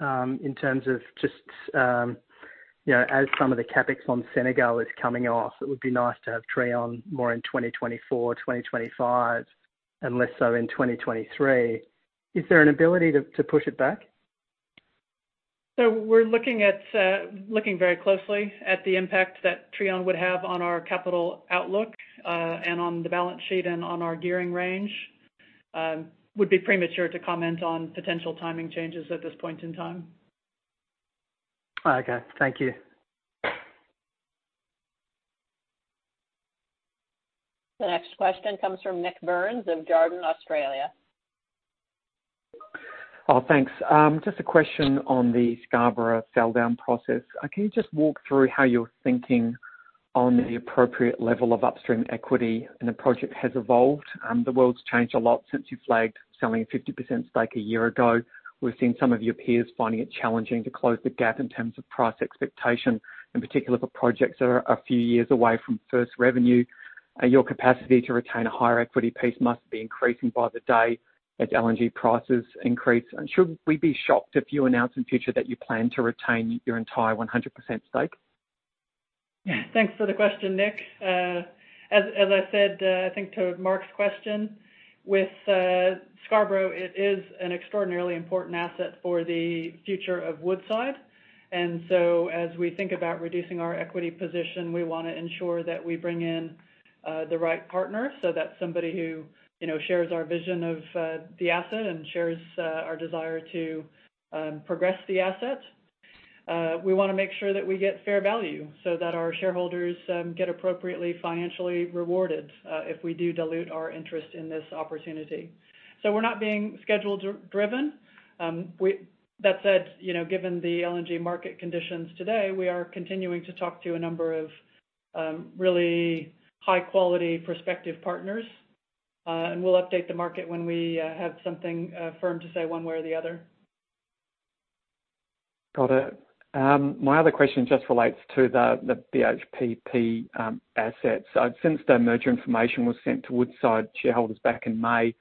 Speaker 8: In terms of just, you know, as some of the CapEx on Senegal is coming off, it would be nice to have Trion more in 2024, 2025, and less so in 2023. Is there an ability to push it back?
Speaker 2: We're looking very closely at the impact that Trion would have on our capital outlook, and on the balance sheet and on our gearing range. Would be premature to comment on potential timing changes at this point in time.
Speaker 8: Okay, thank you.
Speaker 1: The next question comes from Nik Burns of Jarden Australia.
Speaker 9: Oh, thanks. Just a question on the Scarborough sell-down process. Can you just walk through how you're thinking on the appropriate level of upstream equity, and the project has evolved. The world's changed a lot since you flagged selling a 50% stake a year ago. We've seen some of your peers finding it challenging to close the gap in terms of price expectation, in particular for projects that are a few years away from first revenue. Your capacity to retain a higher equity piece must be increasing by the day as LNG prices increase. Should we be shocked if you announce in future that you plan to retain your entire 100% stake?
Speaker 2: Thanks for the question, Nick. As I said, I think to Mark's question, with Scarborough, it is an extraordinarily important asset for the future of Woodside. As we think about reducing our equity position, we wanna ensure that we bring in the right partner, so that's somebody who, you know, shares our vision of the asset and shares our desire to progress the asset. We wanna make sure that we get fair value so that our shareholders get appropriately financially rewarded if we do dilute our interest in this opportunity. We're not being schedule-driven. That said, you know, given the LNG market conditions today, we are continuing to talk to a number of really high-quality prospective partners, and we'll update the market when we have something firm to say one way or the other.
Speaker 9: Got it. My other question just relates to the BHP Petroleum assets. Since the merger information was sent to Woodside shareholders back in May,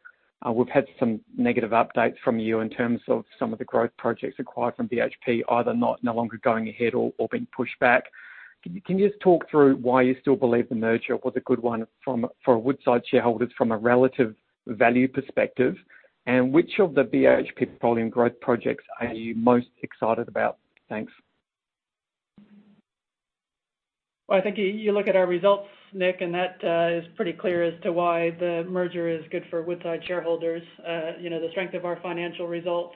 Speaker 9: we've had some negative updates from you in terms of some of the growth projects acquired from BHP, either no longer going ahead or being pushed back. Can you just talk through why you still believe the merger was a good one for Woodside shareholders from a relative value perspective? And which of the BHP Petroleum growth projects are you most excited about? Thanks.
Speaker 2: Well, I think you look at our results, Nick, and that is pretty clear as to why the merger is good for Woodside shareholders. You know, the strength of our financial results,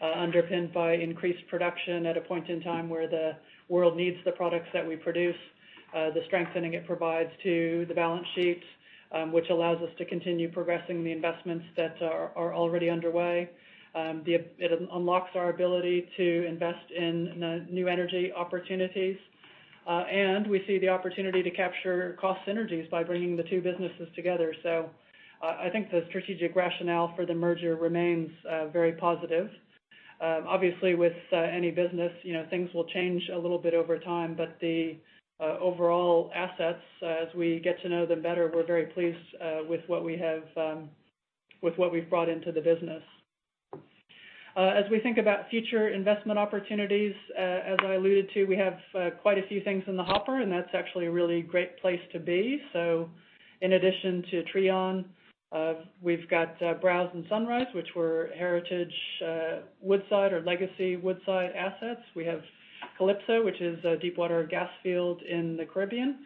Speaker 2: underpinned by increased production at a point in time where the world needs the products that we produce, the strengthening it provides to the balance sheets, which allows us to continue progressing the investments that are already underway. It unlocks our ability to invest in new energy opportunities, and we see the opportunity to capture cost synergies by bringing the two businesses together. I think the strategic rationale for the merger remains very positive. Obviously, with any business, you know, things will change a little bit over time, but the overall assets, as we get to know them better, we're very pleased with what we have with what we've brought into the business. As we think about future investment opportunities, as I alluded to, we have quite a few things in the hopper, and that's actually a really great place to be. In addition to Trion, we've got Browse and Sunrise, which were heritage Woodside or legacy Woodside assets. We have Calypso, which is a deepwater gas field in the Caribbean.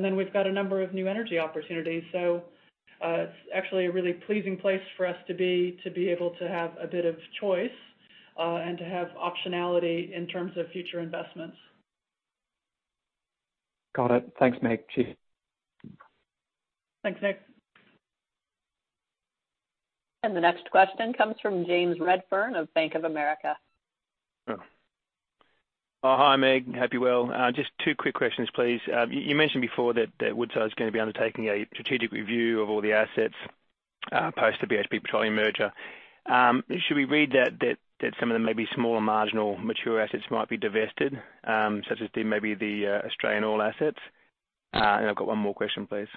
Speaker 2: Then we've got a number of new energy opportunities. It's actually a really pleasing place for us to be able to have a bit of choice, and to have optionality in terms of future investments.
Speaker 9: Got it. Thanks, Meg. Cheers.
Speaker 2: Thanks, Nick.
Speaker 1: The next question comes from James Redfern of Bank of America.
Speaker 10: Oh. Oh, hi, Meg. Hope you're well. Just two quick questions, please. You mentioned before that Woodside is gonna be undertaking a strategic review of all the assets post the BHP Petroleum merger. Should we read that some of the maybe smaller marginal mature assets might be divested, such as maybe the Australian oil assets? I've got one more question, please.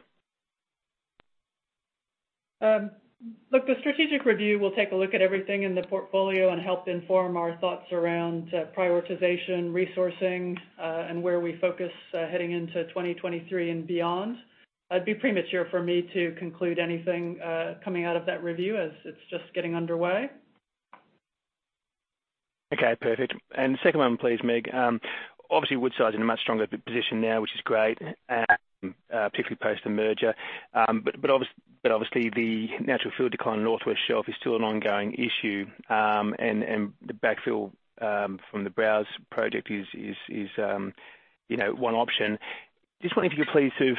Speaker 2: Look, the strategic review will take a look at everything in the portfolio and help inform our thoughts around, prioritization, resourcing, and where we focus, heading into 2023 and beyond. It'd be premature for me to conclude anything, coming out of that review as it's just getting underway.
Speaker 10: Okay, perfect. Second one, please, Meg. Obviously, Woodside is in a much stronger position now, which is great, particularly post the merger. But obviously the natural field decline in North West Shelf is still an ongoing issue. And the backfill from the Browse project is, you know, one option. Just wondering if you could please sort of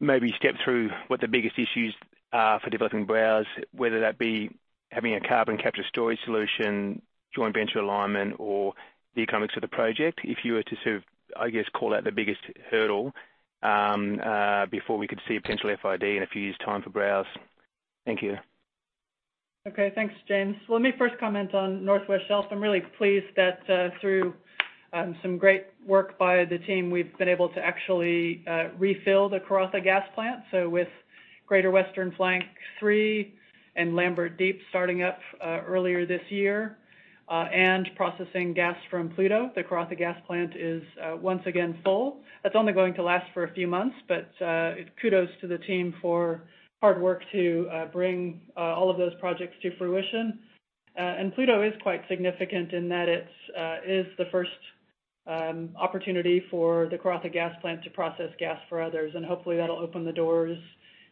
Speaker 10: maybe step through what the biggest issues are for developing Browse, whether that be having a carbon capture storage solution, joint venture alignment, or the economics of the project, if you were to sort of, I guess, call out the biggest hurdle before we could see potential FID in a few years' time for Browse. Thank you.
Speaker 2: Okay, thanks, James. Let me first comment on North West Shelf. I'm really pleased that through some great work by the team, we've been able to actually refill the Karratha gas plant. With Greater Western Flank-3 and Lambert Deep starting up earlier this year and processing gas from Pluto, the Karratha gas plant is once again full. That's only going to last for a few months, but kudos to the team for hard work to bring all of those projects to fruition. Pluto is quite significant in that it's the first opportunity for the Karratha gas plant to process gas for others, and hopefully that'll open the doors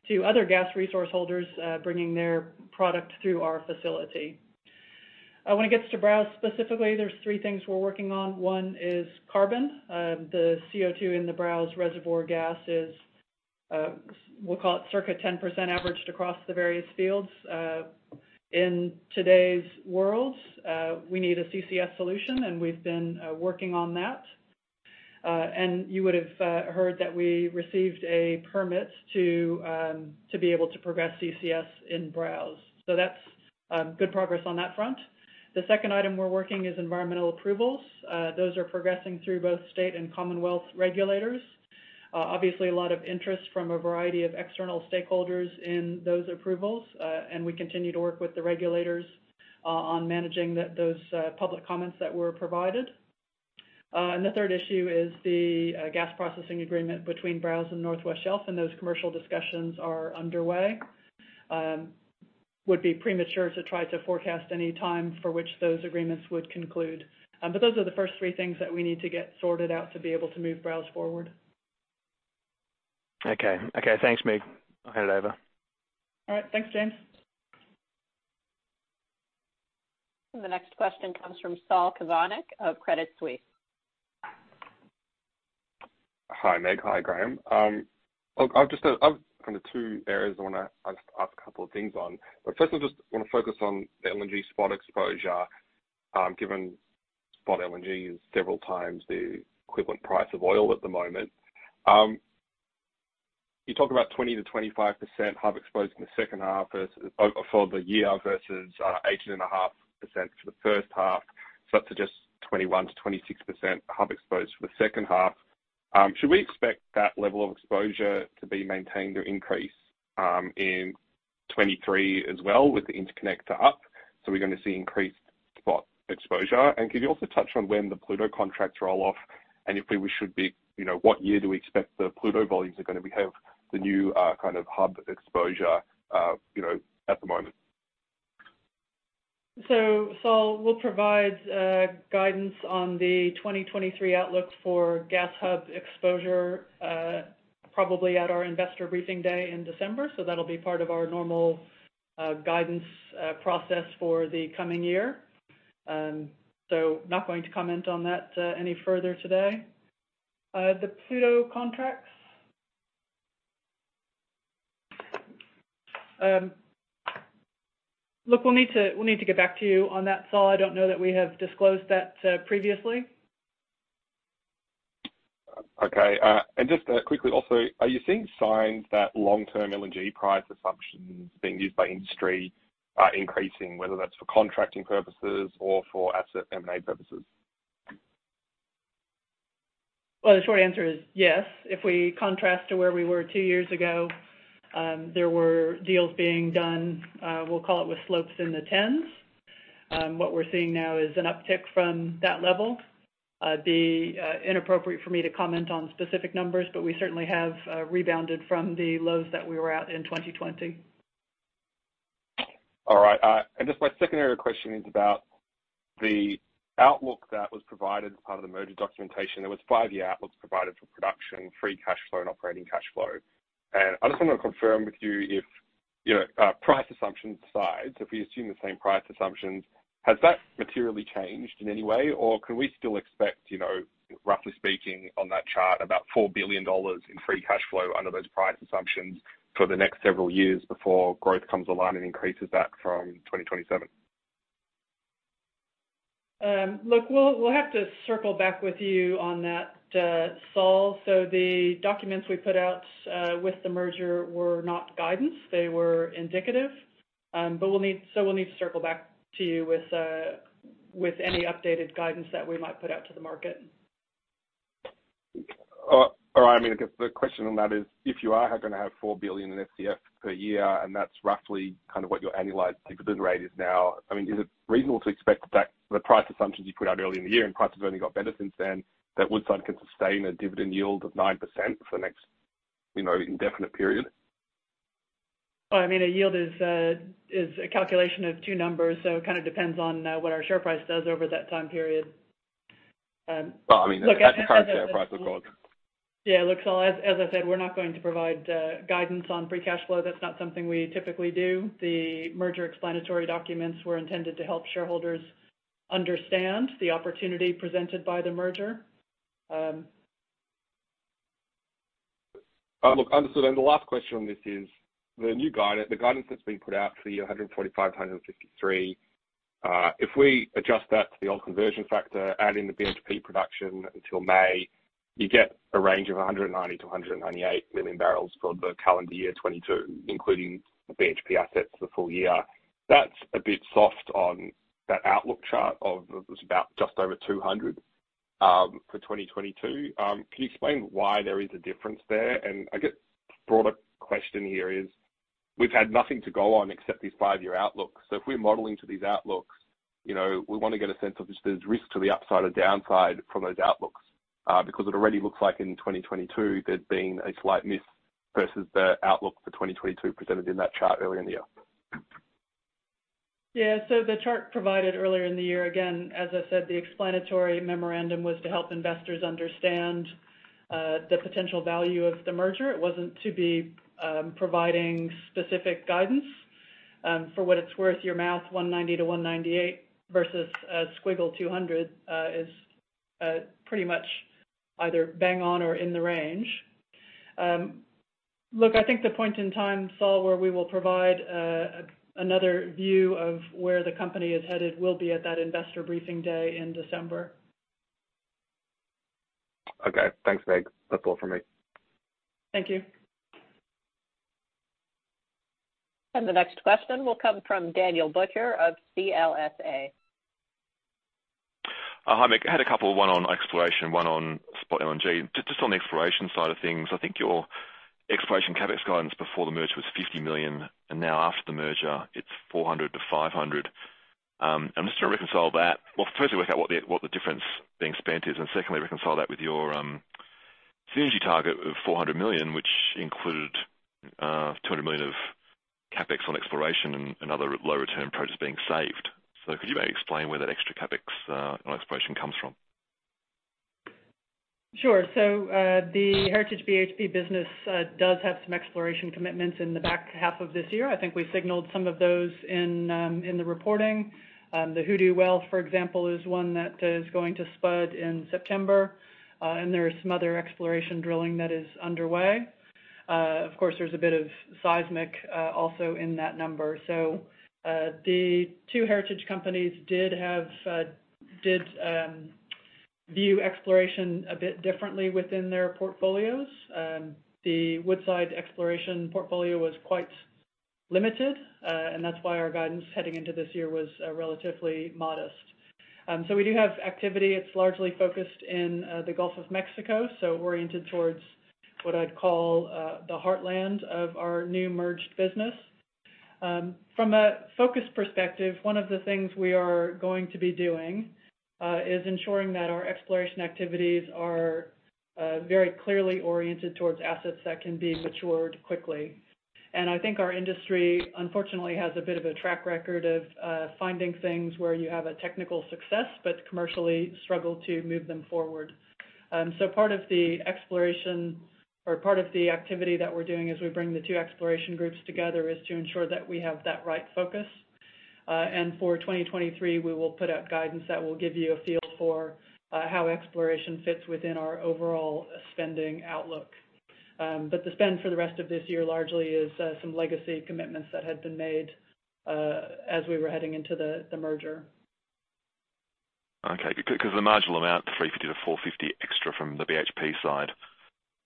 Speaker 2: to other gas resource holders bringing their product through our facility. When it gets to Browse specifically, there's three things we're working on. One is carbon. The CO2 in the Browse reservoir gas is, we'll call it circa 10% averaged across the various fields. In today's world, we need a CCS solution, and we've been working on that. You would have heard that we received a permit to be able to progress CCS in Browse. So that's good progress on that front. The second item we're working is environmental approvals. Those are progressing through both state and commonwealth regulators. Obviously a lot of interest from a variety of external stakeholders in those approvals, and we continue to work with the regulators on managing those public comments that were provided. The third issue is the gas processing agreement between Browse and North West Shelf, and those commercial discussions are underway. Would be premature to try to forecast any time for which those agreements would conclude. Those are the first three things that we need to get sorted out to be able to move Browse forward.
Speaker 10: Okay, thanks, Meg. I'll hand it over.
Speaker 2: All right. Thanks, James.
Speaker 1: The next question comes from Saul Kavonic of Credit Suisse.
Speaker 11: Hi, Meg. Hi, Graham. I've just kind of two areas I wanna ask a couple of things on. First, I just wanna focus on the LNG spot exposure, given spot LNG is several times the equivalent price of oil at the moment. You talk about 20%-25% hub exposed in the second half versus for the year versus 18.5% for the first half, so up to just 21%-26% hub exposed for the second half. Should we expect that level of exposure to be maintained or increased in 2023 as well with the interconnector up, so we're gonna see increased spot exposure? Could you also touch on when the Pluto contracts roll off, and what year do we expect the Pluto volumes are gonna be exposed to the new kind of hub exposure, you know, at the moment?
Speaker 2: Saul, we'll provide guidance on the 2023 outlook for gas hub exposure, probably at our investor briefing day in December. That'll be part of our normal guidance process for the coming year. Not going to comment on that any further today. The Pluto contracts. Look, we'll need to get back to you on that, Saul. I don't know that we have disclosed that previously.
Speaker 11: Okay. Just quickly also, are you seeing signs that long-term LNG price assumptions being used by industry are increasing, whether that's for contracting purposes or for asset M&A purposes?
Speaker 2: Well, the short answer is yes. If we contrast to where we were two years ago, there were deals being done, we'll call it with slopes in the tens. What we're seeing now is an uptick from that level. It'd be inappropriate for me to comment on specific numbers, but we certainly have rebounded from the lows that we were at in 2020.
Speaker 11: All right. Just my secondary question is about the outlook that was provided as part of the merger documentation. There was five-year outlooks provided for production, free cash flow, and operating cash flow. I just wanna confirm with you if, you know, price assumptions aside, if we assume the same price assumptions, has that materially changed in any way? Or can we still expect, you know, roughly speaking on that chart, about $4 billion in free cash flow under those price assumptions for the next several years before growth comes online and increases that from 2027?
Speaker 2: We'll have to circle back with you on that, Saul. The documents we put out with the merger were not guidance. They were indicative. We'll need to circle back to you with any updated guidance that we might put out to the market.
Speaker 11: All right. I mean, I guess the question on that is, if you are gonna have $4 billion in FCF per year, and that's roughly kind of what your annualized dividend rate is now, I mean, is it reasonable to expect that the price assumptions you put out early in the year, and prices only got better since then, that Woodside can sustain a dividend yield of 9% for the next, you know, indefinite period?
Speaker 2: Well, I mean, a yield is a calculation of two numbers, so it kind of depends on what our share price does over that time period.
Speaker 11: Well, I mean, at the current share price, I suppose.
Speaker 2: Yeah. Look, Saul, as I said, we're not going to provide guidance on free cash flow. That's not something we typically do. The merger explanatory documents were intended to help shareholders understand the opportunity presented by the merger.
Speaker 11: Look, understood. The last question on this is, the guidance that's been put out for you, 145-153, if we adjust that to the old conversion factor, add in the BHP production until May, you get a range of 190-198 million bbl for the calendar year 2022, including the BHP assets for the full year. That's a bit soft on that outlook chart of, it was about just over 200, for 2022. Can you explain why there is a difference there? I guess broader question here is, we've had nothing to go on except these five-year outlooks. If we're modeling to these outlooks, you know, we wanna get a sense of if there's risk to the upside or downside from those outlooks, because it already looks like in 2022, there's been a slight miss versus the outlook for 2022 presented in that chart earlier in the year.
Speaker 2: Yeah. The chart provided earlier in the year, again, as I said, the explanatory memorandum was to help investors understand the potential value of the merger. It wasn't to be providing specific guidance. For what it's worth, your math, 190-198 versus ~200, is pretty much either bang on or in the range. Look, I think the point in time, Saul, where we will provide another view of where the company is headed will be at that investor briefing day in December.
Speaker 11: Okay. Thanks, Meg. That's all for me.
Speaker 2: Thank you.
Speaker 1: The next question will come from Daniel Butcher of CLSA.
Speaker 12: Hi, Meg. I had a couple, one on exploration, one on spot LNG. Just on the exploration side of things, I think your exploration CapEx guidance before the merger was $50 million, and now after the merger, it's $400 million-$500 million. I'm just trying to reconcile that. Well, firstly, work out what the difference being spent is, and secondly, reconcile that with your synergy target of $400 million, which included $200 million of CapEx on exploration and other low return projects being saved. Could you maybe explain where that extra CapEx on exploration comes from?
Speaker 2: Sure. The Heritage BHP business does have some exploration commitments in the back half of this year. I think we signaled some of those in the reporting. The Hoodoo-1 well, for example, is one that is going to spud in September, and there is some other exploration drilling that is underway. Of course, there's a bit of seismic also in that number. The two Heritage companies did view exploration a bit differently within their portfolios. The Woodside exploration portfolio was quite limited, and that's why our guidance heading into this year was relatively modest. We do have activity. It's largely focused in the Gulf of Mexico, oriented towards what I'd call the heartland of our new merged business. From a focus perspective, one of the things we are going to be doing is ensuring that our exploration activities are very clearly oriented towards assets that can be matured quickly. I think our industry, unfortunately, has a bit of a track record of finding things where you have a technical success, but commercially struggle to move them forward. Part of the exploration or part of the activity that we're doing as we bring the two exploration groups together is to ensure that we have that right focus. For 2023, we will put out guidance that will give you a feel for how exploration fits within our overall spending outlook. The spend for the rest of this year largely is some legacy commitments that had been made as we were heading into the merger.
Speaker 12: Okay. Because the marginal amount, $350-$450 extra from the BHP side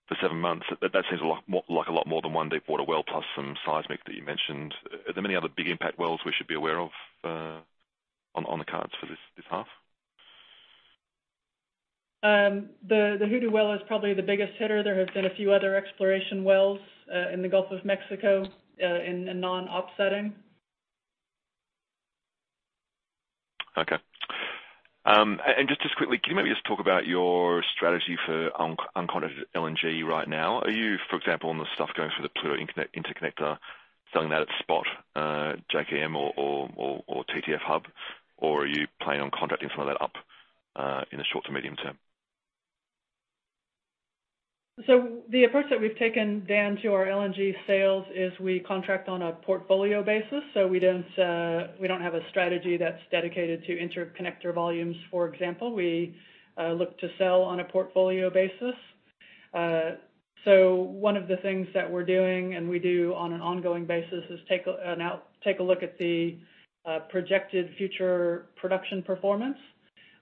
Speaker 12: for seven months, that seems a lot more than one deep water well, plus some seismic that you mentioned. Are there many other big impact wells we should be aware of, on the cards for this half?
Speaker 2: The Hoodoo well is probably the biggest hitter. There have been a few other exploration wells in the Gulf of Mexico in a non-op setting.
Speaker 12: Okay. Just quickly, can you maybe just talk about your strategy for unconnected LNG right now? Are you, for example, on the stuff going through the Pluto interconnector, selling that at spot, JKM or TTF hub? Or are you planning on contracting some of that up in the short to medium term?
Speaker 2: The approach that we've taken, Dan, to our LNG sales is we contract on a portfolio basis. We don't have a strategy that's dedicated to interconnector volumes, for example. We look to sell on a portfolio basis. One of the things that we're doing and we do on an ongoing basis is take a look at the projected future production performance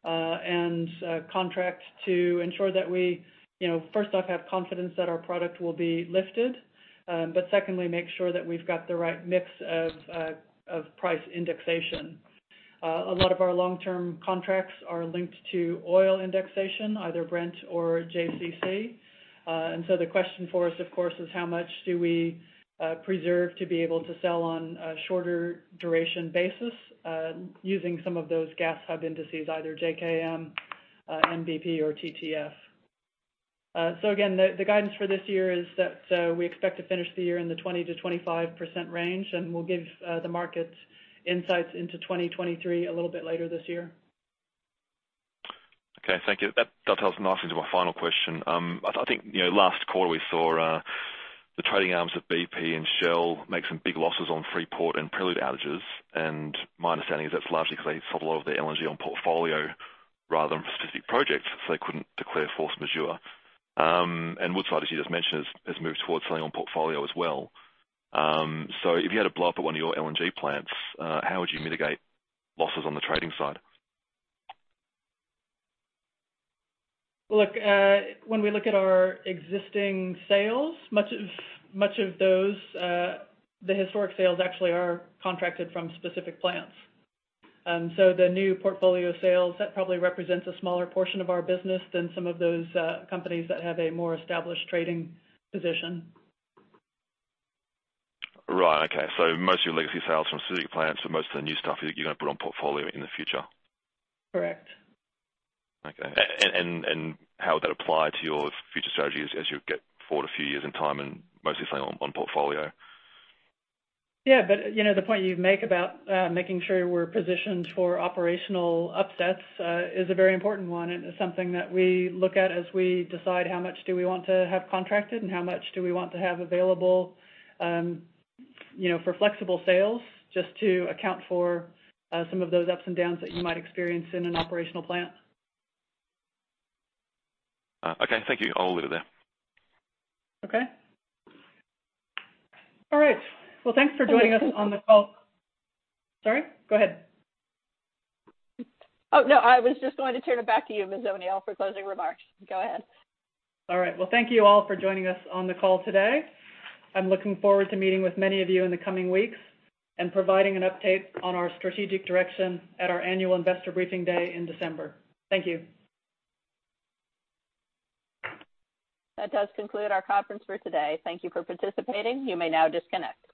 Speaker 2: and contract to ensure that we, you know, first off, have confidence that our product will be lifted. But secondly, make sure that we've got the right mix of price indexation. A lot of our long-term contracts are linked to oil indexation, either Brent or JCC. The question for us, of course, is how much do we preserve to be able to sell on a shorter duration basis, using some of those gas hub indices, either JKM, NBP or TTF. The guidance for this year is that we expect to finish the year in the 20%-25% range, and we'll give the market insights into 2023 a little bit later this year.
Speaker 12: Okay. Thank you. That ties nicely into my final question. I think, you know, last quarter we saw the trading arms of BP and Shell make some big losses on Freeport and Prelude outages. My understanding is that's largely because they sold a lot of their LNG on portfolio rather than for specific projects, so they couldn't declare force majeure. Woodside, as you just mentioned, has moved towards selling on portfolio as well. If you had a blowup at one of your LNG plants, how would you mitigate losses on the trading side?
Speaker 2: Look, when we look at our existing sales, much of those, the historic sales actually are contracted from specific plants. So the new portfolio sales, that probably represents a smaller portion of our business than some of those companies that have a more established trading position.
Speaker 12: Right. Okay. Most of your legacy sales from specific plants, but most of the new stuff you're gonna put on portfolio in the future.
Speaker 2: Correct.
Speaker 12: Okay. How would that apply to your future strategies as you go forward a few years in time and mostly selling on portfolio?
Speaker 2: Yeah, you know, the point you make about making sure we're positioned for operational upsets is a very important one. It's something that we look at as we decide how much do we want to have contracted and how much do we want to have available, you know, for flexible sales, just to account for some of those ups and downs that you might experience in an operational plant.
Speaker 12: Okay. Thank you. I'll leave it there.
Speaker 2: Okay. All right. Well, thanks for joining us on the call. Sorry, go ahead.
Speaker 1: Oh, no. I was just going to turn it back to you, Ms. O'Neill, for closing remarks. Go ahead.
Speaker 2: All right. Well, thank you all for joining us on the call today. I'm looking forward to meeting with many of you in the coming weeks and providing an update on our strategic direction at our annual investor briefing day in December. Thank you.
Speaker 1: That does conclude our conference for today. Thank you for participating. You may now disconnect.